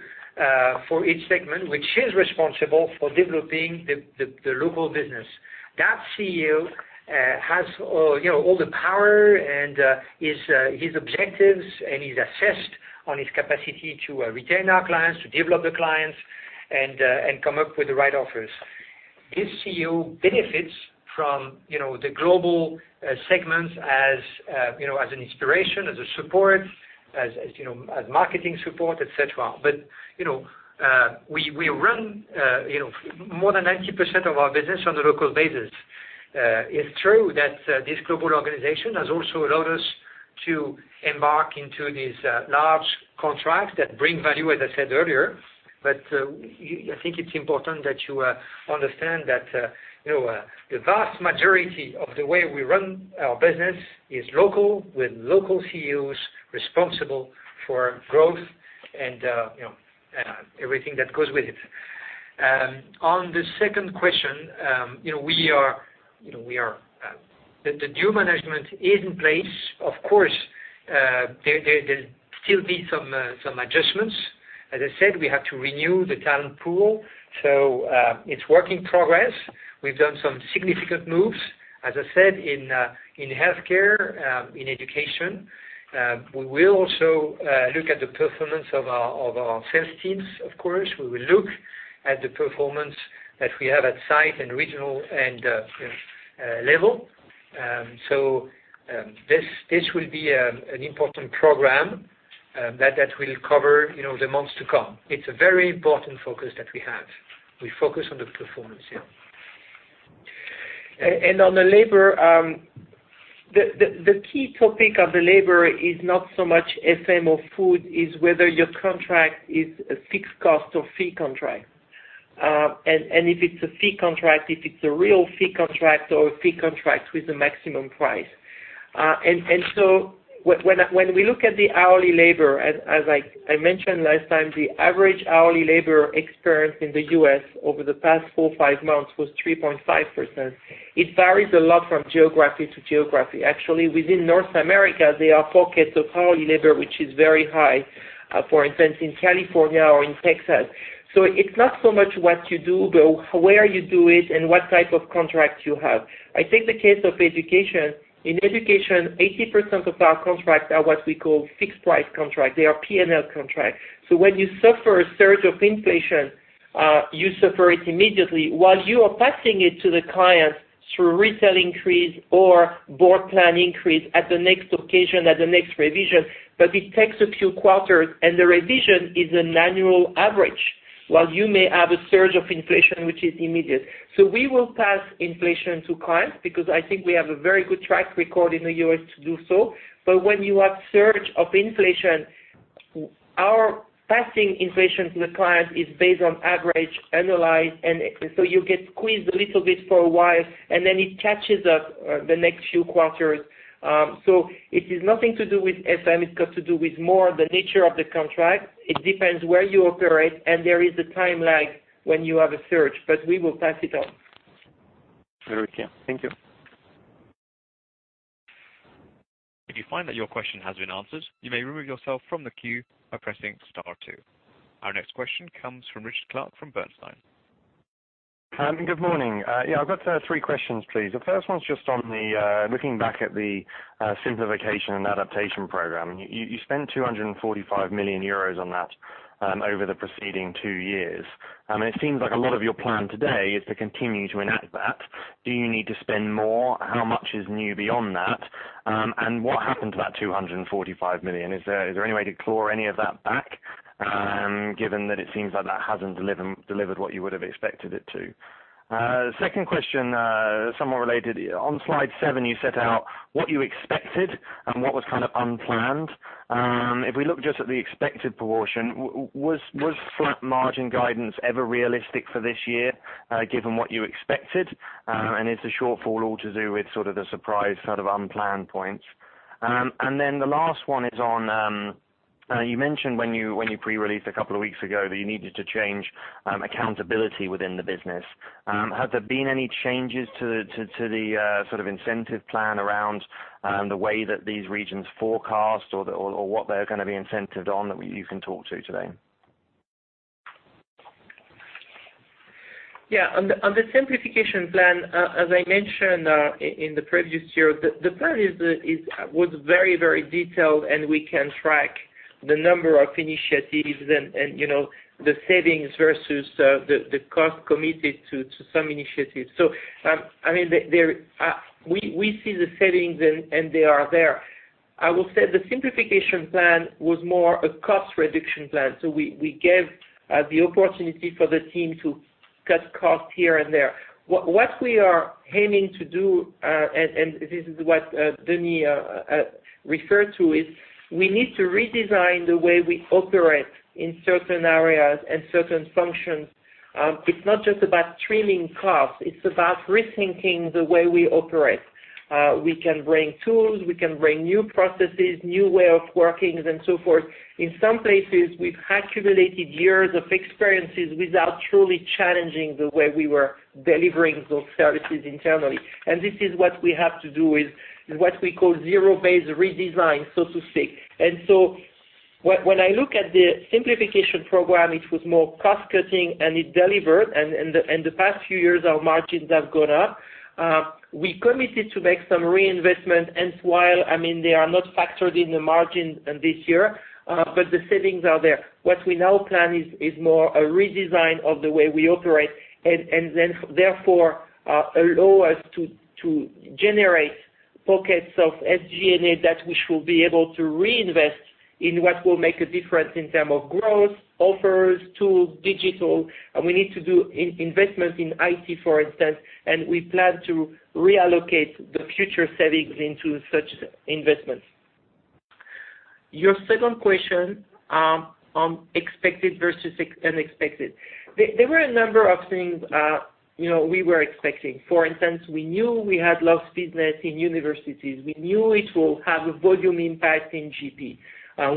for each segment, which is responsible for developing the local business. That CEO has all the power, and his objectives, and he's assessed on his capacity to retain our clients, to develop the clients, and come up with the right offers. This CEO benefits from the global segments as an inspiration, as a support, as marketing support, et cetera. We run more than 90% of our business on a local basis. It's true that this global organization has also allowed us to embark into these large contracts that bring value, as I said earlier. I think it's important that you understand that the vast majority of the way we run our business is local, with local CEOs responsible for growth and everything that goes with it. On the second question, the new management is in place. Of course, there will still be some adjustments. As I said, we have to renew the talent pool, so it's work in progress. We have done some significant moves, as I said, in healthcare, in education. We will also look at the performance of our sales teams, of course. We will look at the performance that we have at site and regional level. This will be an important program that will cover the months to come. It's a very important focus that we have. We focus on the performance. On the labor, the key topic of the labor is not so much FM or food, it's whether your contract is a fixed cost or fee contract. If it's a fee contract, if it's a real fee contract or a fee contract with a maximum price. When we look at the hourly labor, as I mentioned last time, the average hourly labor experience in the U.S. over the past four or five months was 3.5%. It varies a lot from geography to geography. Actually, within North America, there are pockets of hourly labor, which is very high, for instance, in California or in Texas. It's not so much what you do, but where you do it and what type of contract you have. I take the case of education. In education, 80% of our contracts are what we call fixed price contracts. They are PNL contracts. When you suffer a surge of inflation, you suffer it immediately while you are passing it to the clients through retail increase or board plan increase at the next occasion, at the next revision. It takes a few quarters, and the revision is an annual average. While you may have a surge of inflation, which is immediate. We will pass inflation to clients because I think we have a very good track record in the U.S. to do so. When you have surge of inflation, our passing inflation to the client is based on average analyzed, and so you get squeezed a little bit for a while, and then it catches up the next few quarters. It is nothing to do with FM, it's got to do with more the nature of the contract. It depends where you operate, and there is a time lag when you have a surge, but we will pass it on. Very clear. Thank you. If you find that your question has been answered, you may remove yourself from the queue by pressing star two. Our next question comes from Richard Clarke from Bernstein. Good morning. I've got three questions, please. The first one's just on looking back at the simplification and adaptation program. You spent 245 million euros on that over the preceding two years. It seems like a lot of your plan today is to continue to enact that. Do you need to spend more? How much is new beyond that? What happened to that 245 million? Is there any way to claw any of that back, given that it seems like that hasn't delivered what you would have expected it to? Second question, somewhat related. On slide seven, you set out what you expected and what was kind of unplanned. If we look just at the expected proportion, was flat margin guidance ever realistic for this year, given what you expected? Is the shortfall all to do with sort of the surprise sort of unplanned points? The last one is on, you mentioned when you pre-released a couple of weeks ago that you needed to change accountability within the business. Has there been any changes to the sort of incentive plan around the way that these regions forecast or what they're going to be incented on that you can talk to today? On the simplification plan, as I mentioned in the previous year, the plan was very detailed, and we can track the number of initiatives and the savings versus the cost committed to some initiatives. We see the savings, and they are there. I will say the simplification plan was more a cost reduction plan. We gave the opportunity for the team to cut costs here and there. What we are aiming to do, and this is what Denis referred to, is we need to redesign the way we operate in certain areas and certain functions. It's not just about trimming costs, it's about rethinking the way we operate. We can bring tools, we can bring new processes, new way of working and so forth. In some places, we've accumulated years of experiences without truly challenging the way we were delivering those services internally. This is what we have to do, is what we call zero-based redesign, so to speak. When I look at the simplification program, it was more cost-cutting, and it delivered. The past few years, our margins have gone up. We committed to make some reinvestment, and while they are not factored in the margin this year, but the savings are there. What we now plan is more a redesign of the way we operate, and then therefore allow us to generate pockets of SG&A that we should be able to reinvest in what will make a difference in term of growth, offers, tools, digital. We need to do investments in IT, for instance, and we plan to reallocate the future savings into such investments. Your second question, on expected versus unexpected. There were a number of things we were expecting. For instance, we knew we had lost business in universities. We knew it will have a volume impact in GP.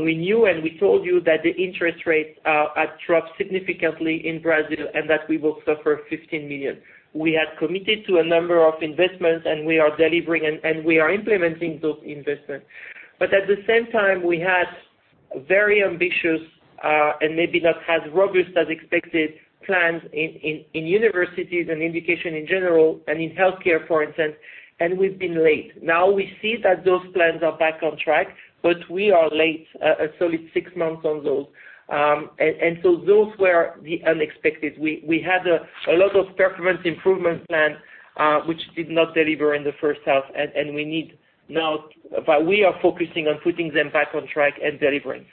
We knew, and we told you that the interest rates had dropped significantly in Brazil and that we will suffer 15 million. We had committed to a number of investments, and we are delivering, and we are implementing those investments. At the same time, we had very ambitious, and maybe not as robust as expected plans in universities and in education in general and in healthcare, for instance, and we've been late. Now we see that those plans are back on track, but we are late a solid six months on those. Those were the unexpected. We had a lot of performance improvement plan, which did not deliver in the first half. We are focusing on putting them back on track and delivering.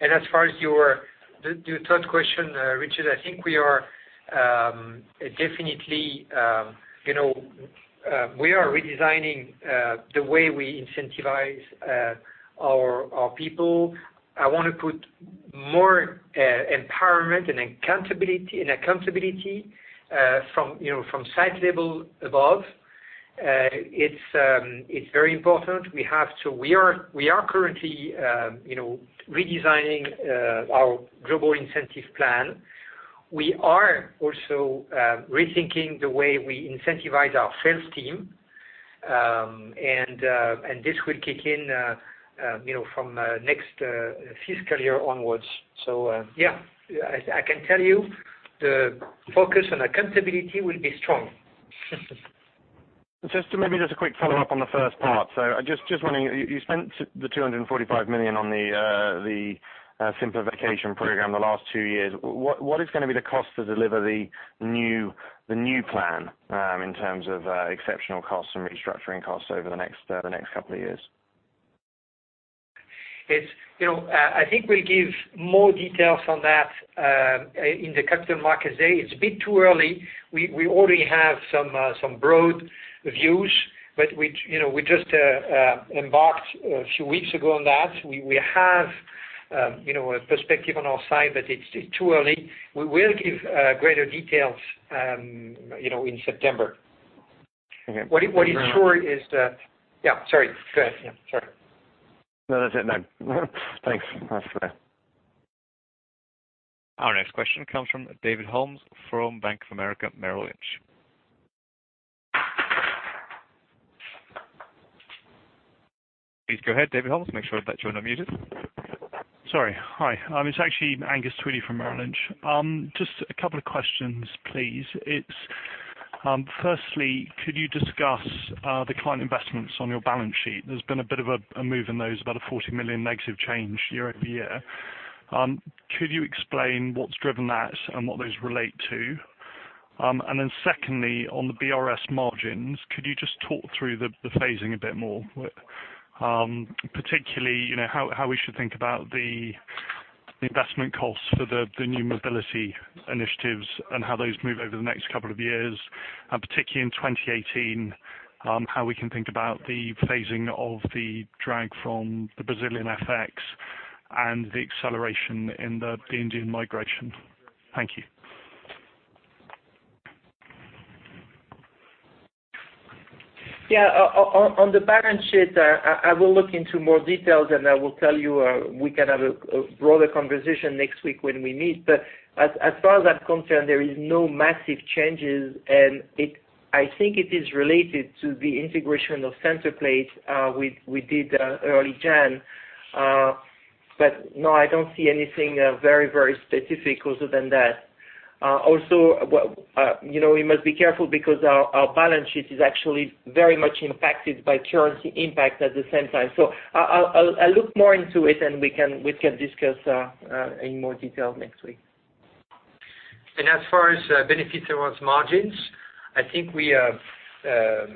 Richard, as far as your third question, Definitely, we are redesigning the way we incentivize our people. I want to put more empowerment and accountability from site level above. It's very important. We are currently redesigning our global incentive plan. We are also rethinking the way we incentivize our sales team, this will kick in from next fiscal year onwards. Yeah, I can tell you the focus on accountability will be strong. A quick follow-up on the first part. Just wondering, you spent the 245 million on the simplification program the last two years. What is going to be the cost to deliver the new plan in terms of exceptional costs and restructuring costs over the next couple of years? We'll give more details on that in the Capital Markets Day. It's a bit too early. We already have some broad views, but we just embarked a few weeks ago on that. We have a perspective on our side, but it's too early. We will give greater details in September. Okay. What is sure is that. Yeah, sorry. Go ahead. Yeah, sorry. No, that's it. No. Thanks. That's clear. Our next question comes from David Holmes from Bank of America Merrill Lynch. Please go ahead, David Holmes. Make sure that you're unmuted. Sorry. Hi, it's actually Angus Tweedie from Merrill Lynch. Just a couple of questions, please. Firstly, could you discuss the client investments on your balance sheet? There's been a bit of a move in those, about a 40 million negative change year-over-year. Could you explain what's driven that and what those relate to? Secondly, on the BRS margins, could you just talk through the phasing a bit more? Particularly, how we should think about the investment costs for the new mobility initiatives and how those move over the next couple of years, and particularly in 2018, how we can think about the phasing of the drag from the Brazilian FX and the acceleration in the Indian migration. Thank you. Yeah. On the balance sheet, I will look into more details, and I will tell you, we can have a broader conversation next week when we meet. As far as I'm concerned, there is no massive changes, and I think it is related to the integration of Centerplate we did early January. No, I don't see anything very specific other than that. Also, we must be careful because our balance sheet is actually very much impacted by currency impact at the same time. I'll look more into it, and we can discuss in more detail next week. As far as benefits towards margins, I think there are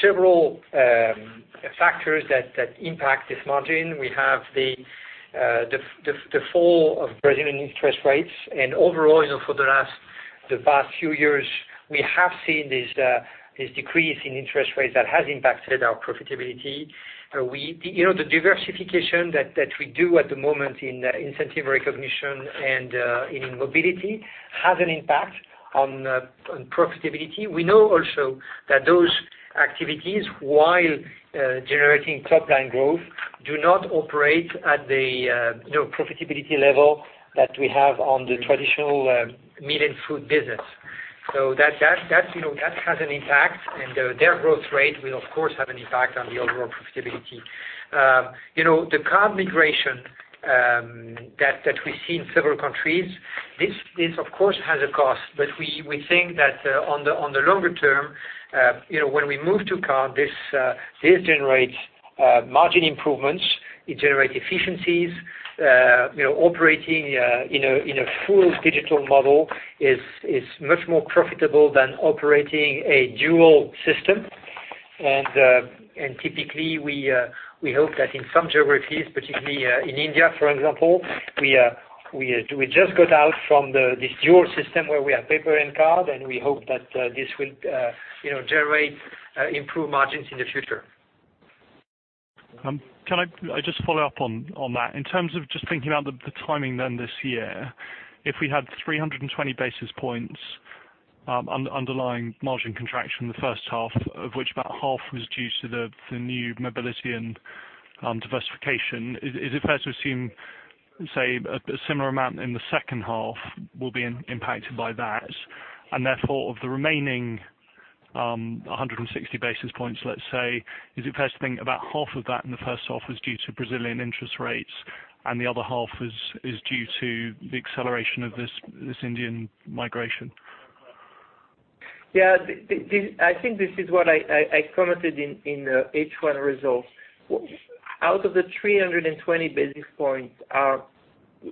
several factors that impact this margin. We have the fall of Brazilian interest rates, and overall, for the past few years, we have seen this decrease in interest rates that has impacted our profitability. The diversification that we do at the moment in incentive recognition and in mobility has an impact on profitability. We know also that those activities, while generating top-line growth, do not operate at the profitability level that we have on the traditional meal and food business. That has an impact, and their growth rate will, of course, have an impact on the overall profitability. The card migration that we see in several countries, this of course, has a cost. We think that on the longer term, when we move to card, this generates margin improvements. It generates efficiencies. Operating in a full digital model is much more profitable than operating a dual system. Typically, we hope that in some geographies, particularly in India, for example, we just got out from this dual system where we have paper and card, and we hope that this will generate improved margins in the future. Can I just follow up on that? In terms of just thinking about the timing this year, if we had 320 basis points underlying margin contraction in the first half, of which about half was due to the new mobility and diversification, is it fair to assume, say, a similar amount in the second half will be impacted by that? Therefore, of the remaining 160 basis points, let's say, is it fair to think about half of that in the first half was due to Brazilian interest rates and the other half is due to the acceleration of this Indian migration? Yeah. I think this is what I commented in the H1 results. Out of the 320 basis points,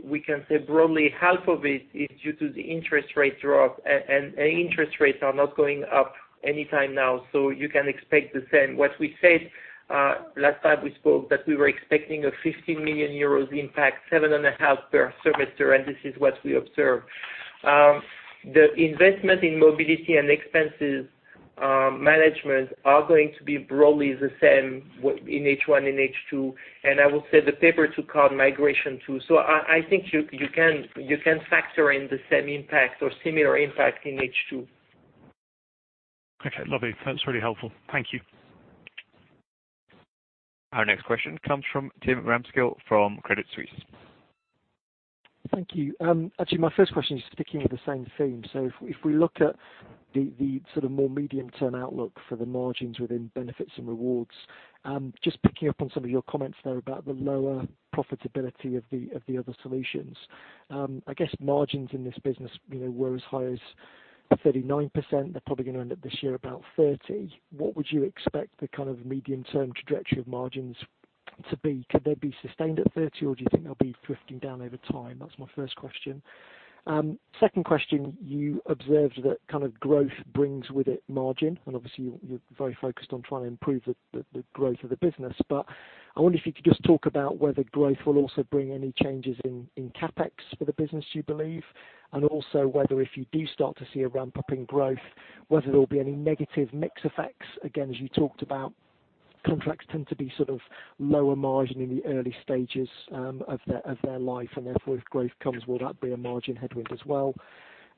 we can say broadly half of it is due to the interest rate drop, and interest rates are not going up anytime now, you can expect the same. What we said last time we spoke, that we were expecting a 50 million euros impact, seven and a half per semester, and this is what we observed. The investment in mobility and expenses management are going to be broadly the same in H1 and H2. I will say the paper to card migration too. I think you can factor in the same impact or similar impact in H2. Okay, lovely. That's really helpful. Thank you. Our next question comes from Tim Ramskill from Credit Suisse. Thank you. Actually, my first question is sticking with the same theme. If we look at the sort of more medium-term outlook for the margins within Benefits and Rewards, just picking up on some of your comments there about the lower profitability of the other solutions. I guess margins in this business were as high as 39%. They're probably going to end up this year about 30%. What would you expect the kind of medium-term trajectory of margins to be? Could they be sustained at 30%, or do you think they'll be drifting down over time? That's my first question. Second question, you observed that kind of growth brings with it margin, and obviously you're very focused on trying to improve the growth of the business. I wonder if you could just talk about whether growth will also bring any changes in CapEx for the business you believe. Also whether if you do start to see a ramp-up in growth, whether there'll be any negative mix effects. Again, as you talked about, contracts tend to be sort of lower margin in the early stages of their life, and therefore, if growth comes, will that be a margin headwind as well?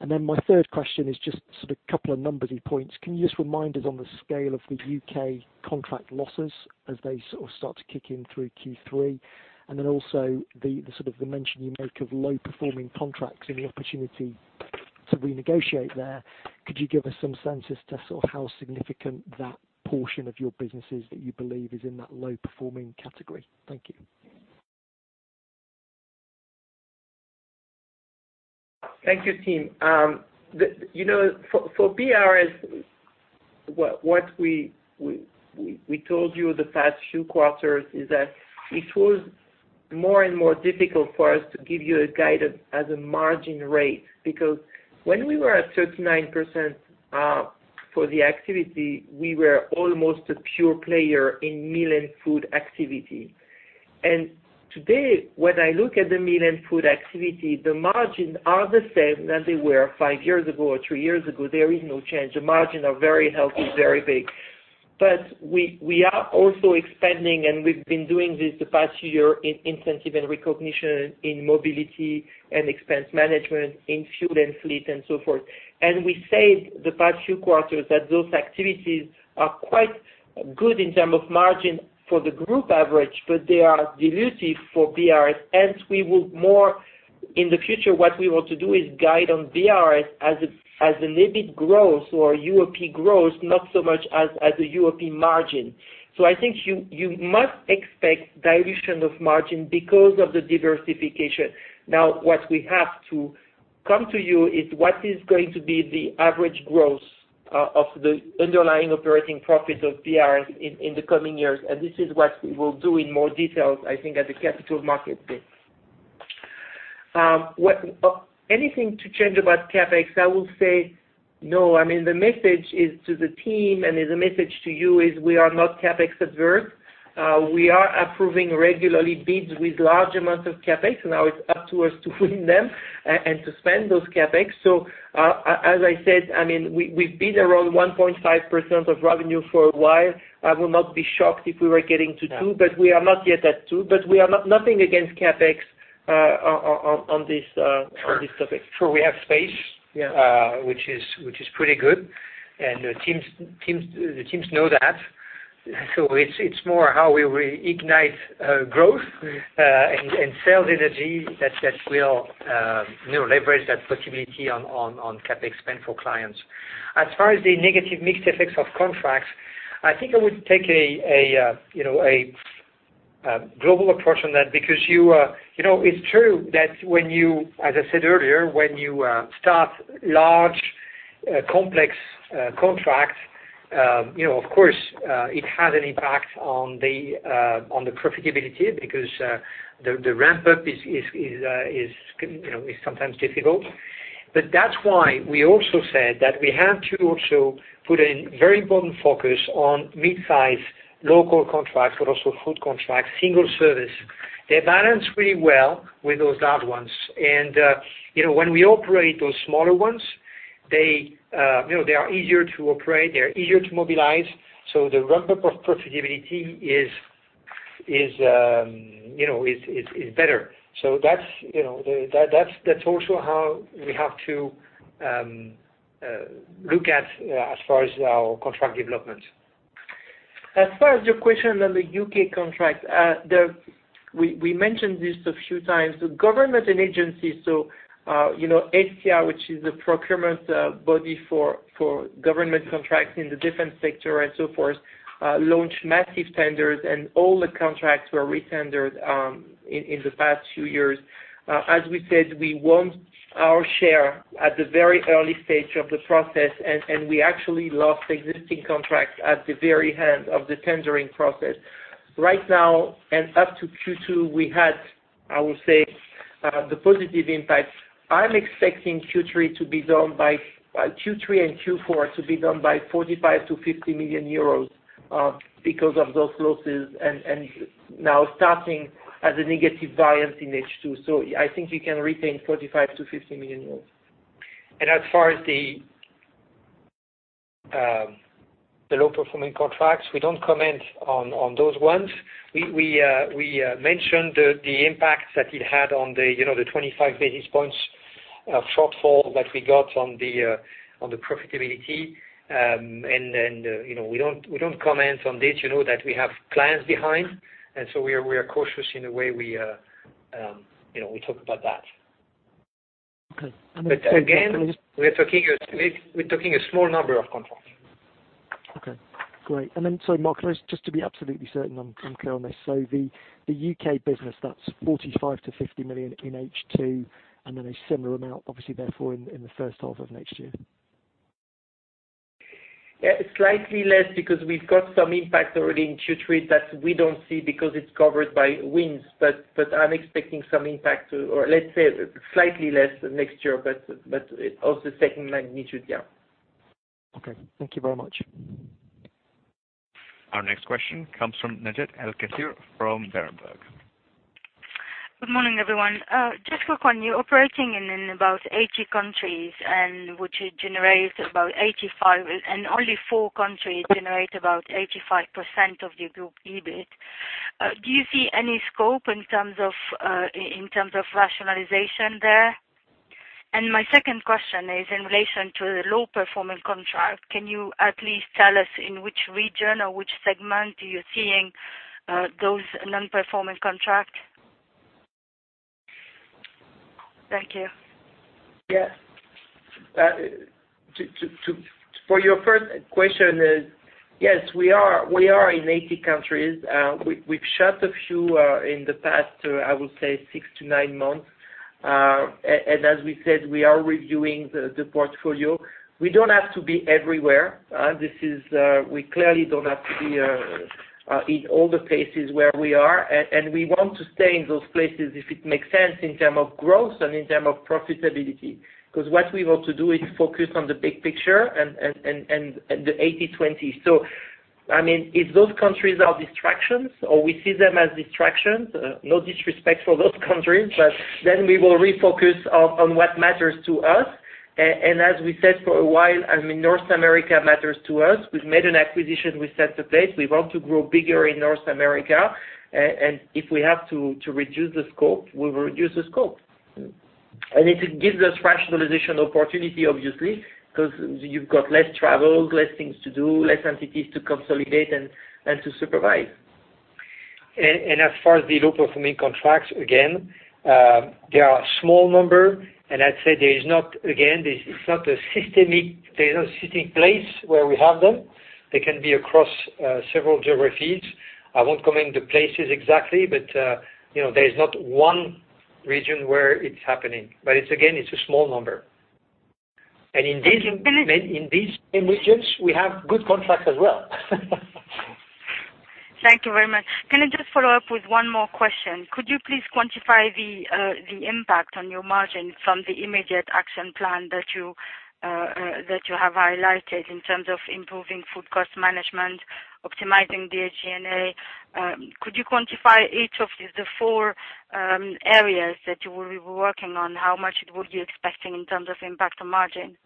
My third question is just sort of couple of numbersy points. Can you just remind us on the scale of the U.K. contract losses as they sort of start to kick in through Q3, and then also the sort of the mention you make of low-performing contracts and the opportunity to renegotiate there. Could you give us some sense as to sort of how significant that portion of your business is that you believe is in that low-performing category? Thank you. Thank you, Tim. For BRS, what we told you the past few quarters is that it was more and more difficult for us to give you a guide as a margin rate, because when we were at 39% for the activity, we were almost a pure player in meal and food activity. Today, when I look at the meal and food activity, the margins are the same as they were five years ago or three years ago. There is no change. The margins are very healthy, very big. We are also expanding, and we've been doing this the past year in incentive and recognition, in mobility and expense management, in fuel and fleet, and so forth. We said the past few quarters that those activities are quite good in terms of margin for the group average, but they are dilutive for BRS. We will more in the future, what we want to do is guide on BRS as an EBIT growth or UOP growth, not so much as a UOP margin. I think you must expect dilution of margin because of the diversification. What we have to come to you is what is going to be the average growth of the underlying operating profit of BRS in the coming years, and this is what we will do in more details, I think, at the Capital Markets Day. Anything to change about CapEx? I will say no. The message is to the team and is the message to you is we are not CapEx-averse. We are approving regularly bids with large amounts of CapEx. It's up to us to win them and to spend those CapEx. As I said, we've been around 1.5% of revenue for a while. I will not be shocked if we were getting to two, we are not yet at two. We are nothing against CapEx on this topic. Sure. We have space. Yeah. Which is pretty good. The teams know that. It's more how we reignite growth and sales energy that will leverage that possibility on CapEx spend for clients. As far as the negative mixed effects of contracts, I think I would take a global approach on that because it's true that when you, as I said earlier, when you start large, complex contracts, of course, it has an impact on the profitability because the ramp-up is sometimes difficult. That's why we also said that we have to also put a very important focus on mid-size local contracts, but also food contracts, single service. They balance pretty well with those large ones. When we operate those smaller ones, they are easier to operate, they're easier to mobilize. The ramp-up of profitability is better. That's also how we have to look at as far as our contract development. As far as your question on the U.K. contract, we mentioned this a few times. The government and agencies, HCI, which is a procurement body for government contracts in the different sector and so forth, launched massive tenders and all the contracts were re-tendered in the past few years. We said, we want our share at the very early stage of the process, and we actually lost existing contracts at the very end of the tendering process. Right now, and up to Q2, we had, I will say, the positive impact. I'm expecting Q3 to be down by Q3 and Q4 to be down by 45 million-50 million euros because of those losses and now starting as a negative variance in H2. I think we can retain 45 million-50 million euros. As far as the low-performing contracts, we don't comment on those ones. We mentioned the impact that it had on the 25 basis points shortfall that we got on the profitability. We don't comment on this, you know that we have clients behind, and so we are cautious in the way we talk about that. Okay. Again, we're talking a small number of contracts. Okay, great. Marc, just to be absolutely certain I'm clear on this. The U.K. business, that's 45 million-50 million in H2, a similar amount, obviously, therefore, in the first half of next year. Yeah. Slightly less because we've got some impact already in Q3 that we don't see because it's covered by wins. I'm expecting some impact to, or let's say slightly less next year, but of the same magnitude, yeah. Okay. Thank you very much. Our next question comes from Najat El Kessir from Berenberg. Good morning, everyone. Just quick one, you are operating in about 80 countries, which generate about 85, and only four countries generate about 85% of the group EBIT. Do you see any scope in terms of rationalization there? My second question is in relation to the low-performing contract. Can you at least tell us in which region or which segment you are seeing those non-performing contract? Thank you. Yeah. For your first question, yes, we are in 80 countries. We have shut a few in the past, I would say six to nine months. As we said, we are reviewing the portfolio. We do not have to be everywhere. We clearly do not have to be in all the places where we are. We want to stay in those places if it makes sense in terms of growth and in terms of profitability, because what we want to do is focus on the big picture and the 80/20. If those countries are distractions or we see them as distractions, no disrespect for those countries, we will refocus on what matters to us. As we said, for a while, North America matters to us. We have made an acquisition with Centerplate. We want to grow bigger in North America. If we have to reduce the scope, we will reduce the scope. It gives us rationalization opportunity, obviously, because you have got less travel, less things to do, less entities to consolidate and to supervise. As far as the low-performing contracts, again, they are a small number. I'd say there is not, again, this is not a systemic place where we have them. They can be across several geographies. I won't comment the places exactly, but there is not one region where it's happening. Again, it's a small number. In these- In these regions, we have good contracts as well. Thank you very much. Can I just follow up with one more question? Could you please quantify the impact on your margin from the immediate action plan that you have highlighted in terms of improving food cost management, optimizing the SG&A? Could you quantify each of the four areas that you will be working on, how much would you expecting in terms of impact on margin?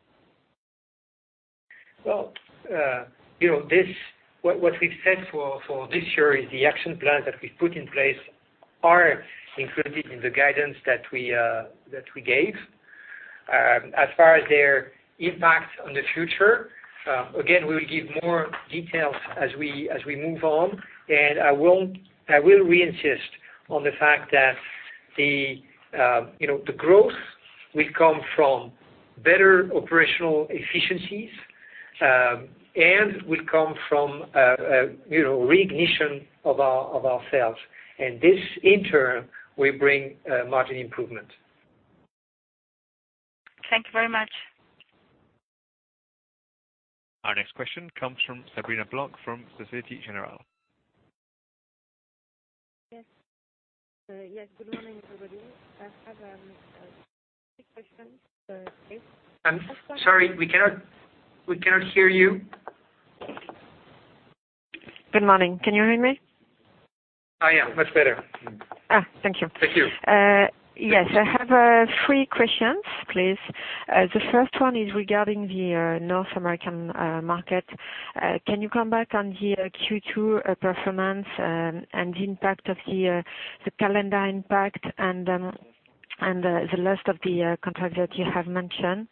What we've said for this year is the action plan that we've put in place are included in the guidance that we gave. As far as their impact on the future, again, we will give more details as we move on. I will re-insist on the fact that the growth will come from better operational efficiencies, and will come from a re-ignition of ourselves. This, in turn, will bring margin improvement. Thank you very much. Our next question comes from Sabrina Blanc from Société Générale. Yes. Good morning, everybody. I have three questions, please. I'm sorry, we cannot hear you. Good morning. Can you hear me? Yeah, much better. Thank you. Thank you. Yes, I have three questions, please. The first one is regarding the North American market. Can you come back on the Q2 performance and the impact of the calendar impact and the loss of the contract that you have mentioned?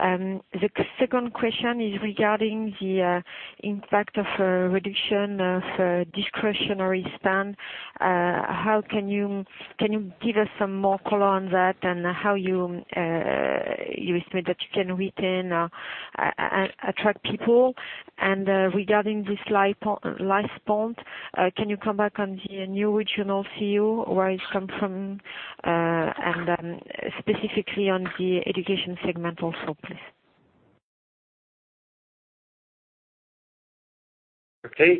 The second question is regarding the impact of reduction of discretionary spend. Can you give us some more color on that and how you estimate that you can retain, attract people? Regarding this last point, can you come back on the new regional CEO, where it come from? Then specifically on the education segment also, please. Okay.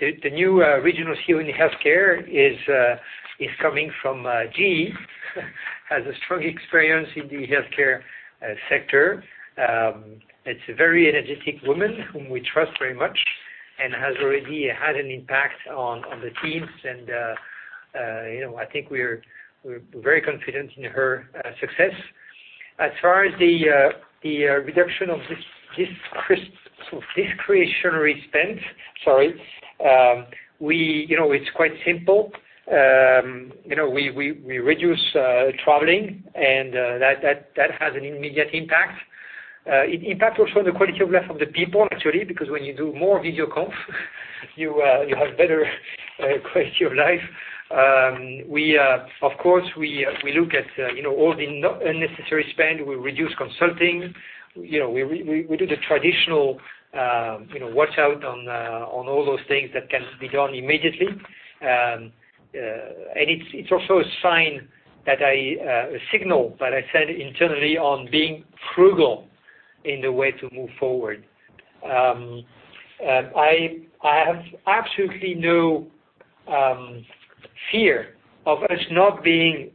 The new regional CEO in healthcare is coming from GE. Has a strong experience in the healthcare sector. It's a very energetic woman whom we trust very much. Has already had an impact on the teams. I think we're very confident in her success. As far as the reduction of this discretionary spend, sorry. It's quite simple. We reduce traveling. That has an immediate impact. It impacts also on the quality of life of the people, actually, because when you do more video conf, you have better quality of life. Of course, we look at all the unnecessary spend. We reduce consulting. We do the traditional watch out on all those things that can be done immediately. It's also a sign, a signal that I set internally on being frugal in the way to move forward. I have absolutely no fear of us not being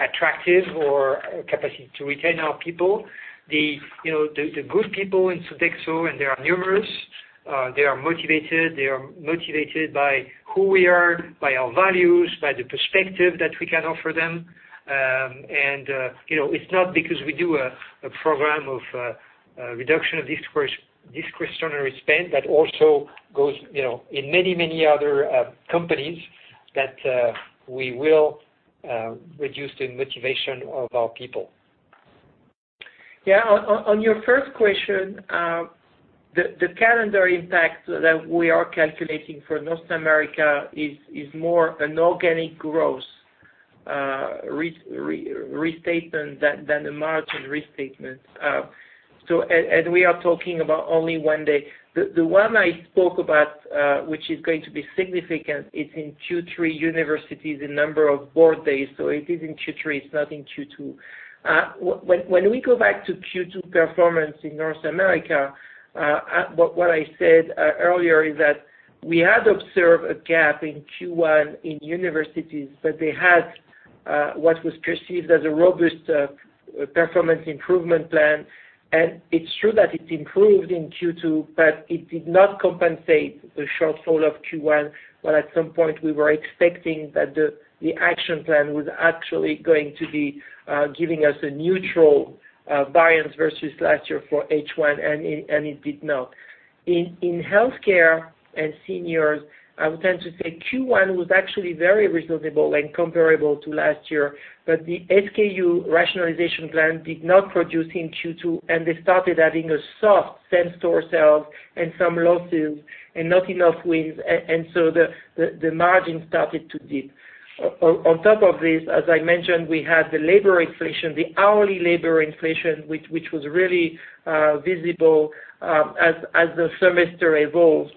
attractive or capacity to retain our people. The good people in Sodexo, they are numerous, they are motivated. They are motivated by who we are, by our values, by the perspective that we can offer them. It's not because we do a program of reduction of discretionary spend that also goes in many other companies that we will reduce the motivation of our people. On your first question, the calendar impact that we are calculating for North America is more an organic growth restatement than a margin restatement. We are talking about only one day. The one I spoke about, which is going to be significant, is in Q3 universities in number of board days, so it is in Q3, it's not in Q2. When we go back to Q2 performance in North America, what I said earlier is that we had observed a gap in Q1 in universities, but they had what was perceived as a robust performance improvement plan. It's true that it improved in Q2, but it did not compensate the shortfall of Q1. While at some point we were expecting that the action plan was actually going to be giving us a neutral variance versus last year for H1, it did not. In healthcare and seniors, I would tend to say Q1 was actually very reasonable and comparable to last year, but the SKU rationalization plan did not produce in Q2, they started adding a soft same-store sales and some losses and not enough wins, so the margin started to dip. On top of this, as I mentioned, we had the labor inflation, the hourly labor inflation, which was really visible as the semester evolves.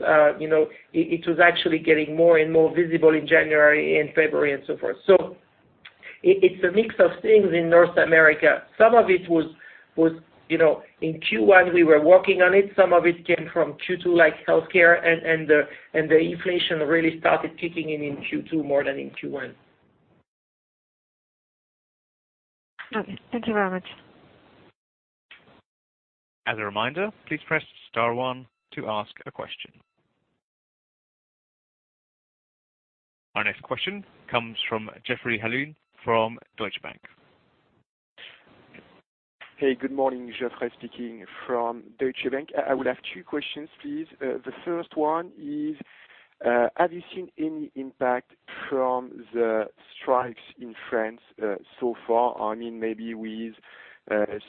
It was actually getting more and more visible in January and February and so forth. It's a mix of things in North America. Some of it was in Q1, we were working on it. Some of it came from Q2, like healthcare, the inflation really started kicking in in Q2 more than in Q1. Okay. Thank you very much. As a reminder, please press star one to ask a question. Our next question comes from Geoffrey Halun from Deutsche Bank. Hey, good morning. Geoffrey speaking from Deutsche Bank. I would have two questions, please. The first one is, have you seen any impact from the strikes in France so far? Maybe with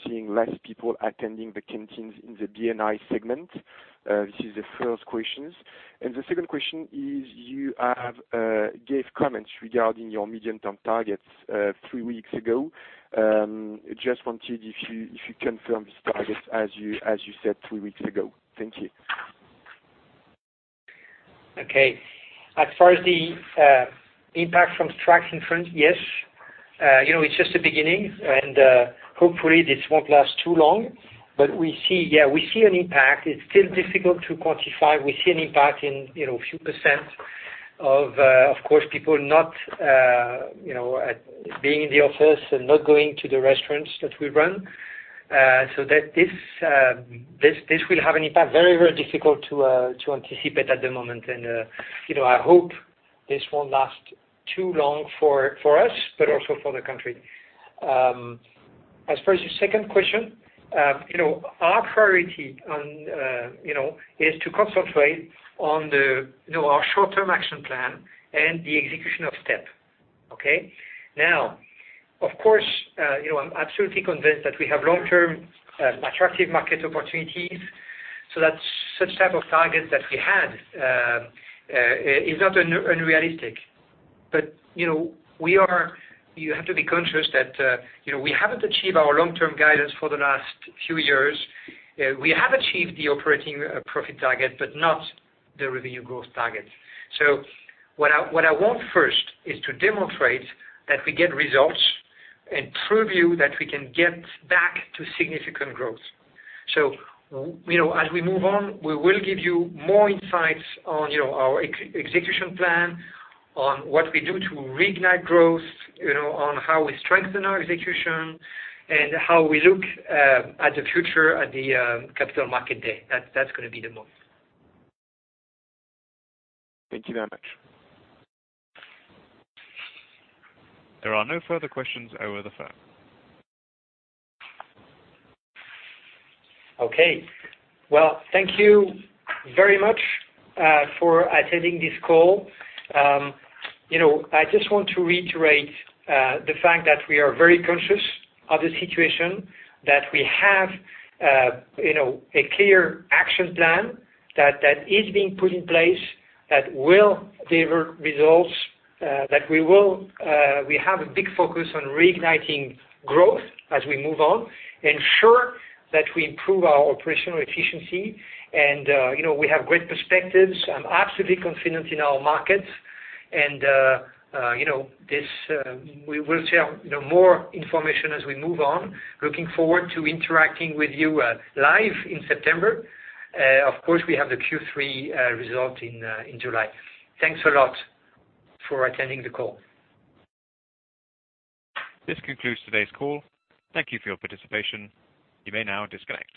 seeing less people attending the canteens in the B&I segment. This is the first questions. The second question is, you have gave comments regarding your medium-term targets three weeks ago. Just wondered if you confirm this target as you said three weeks ago. Thank you. Okay. As far as the impact from strikes in France, yes. It's just the beginning, and hopefully, this won't last too long. We see an impact. It's still difficult to quantify. We see an impact in a few % of course, people not being in the office and not going to the restaurants that we run. This will have an impact. Very difficult to anticipate at the moment. I hope this won't last too long for us, but also for the country. As far as your second question, our priority is to concentrate on our short-term action plan and the execution of STEP. Okay? Of course, I'm absolutely convinced that we have long-term attractive market opportunities, so that such type of targets that we had is not unrealistic. You have to be conscious that we haven't achieved our long-term guidance for the last few years. We have achieved the operating profit target but not the revenue growth target. What I want first is to demonstrate that we get results and prove you that we can get back to significant growth. As we move on, we will give you more insights on our execution plan, on what we do to reignite growth, on how we strengthen our execution, and how we look at the future at the Capital Market Day. That's going to be the move. Thank you very much. There are no further questions over the phone. Okay. Well, thank you very much for attending this call. I just want to reiterate the fact that we are very conscious of the situation, that we have a clear action plan that is being put in place, that will deliver results, that we have a big focus on reigniting growth as we move on, ensure that we improve our operational efficiency and we have great perspectives. I'm absolutely confident in our markets. We will share more information as we move on. Looking forward to interacting with you live in September. Of course, we have the Q3 result in July. Thanks a lot for attending the call. This concludes today's call. Thank you for your participation. You may now disconnect.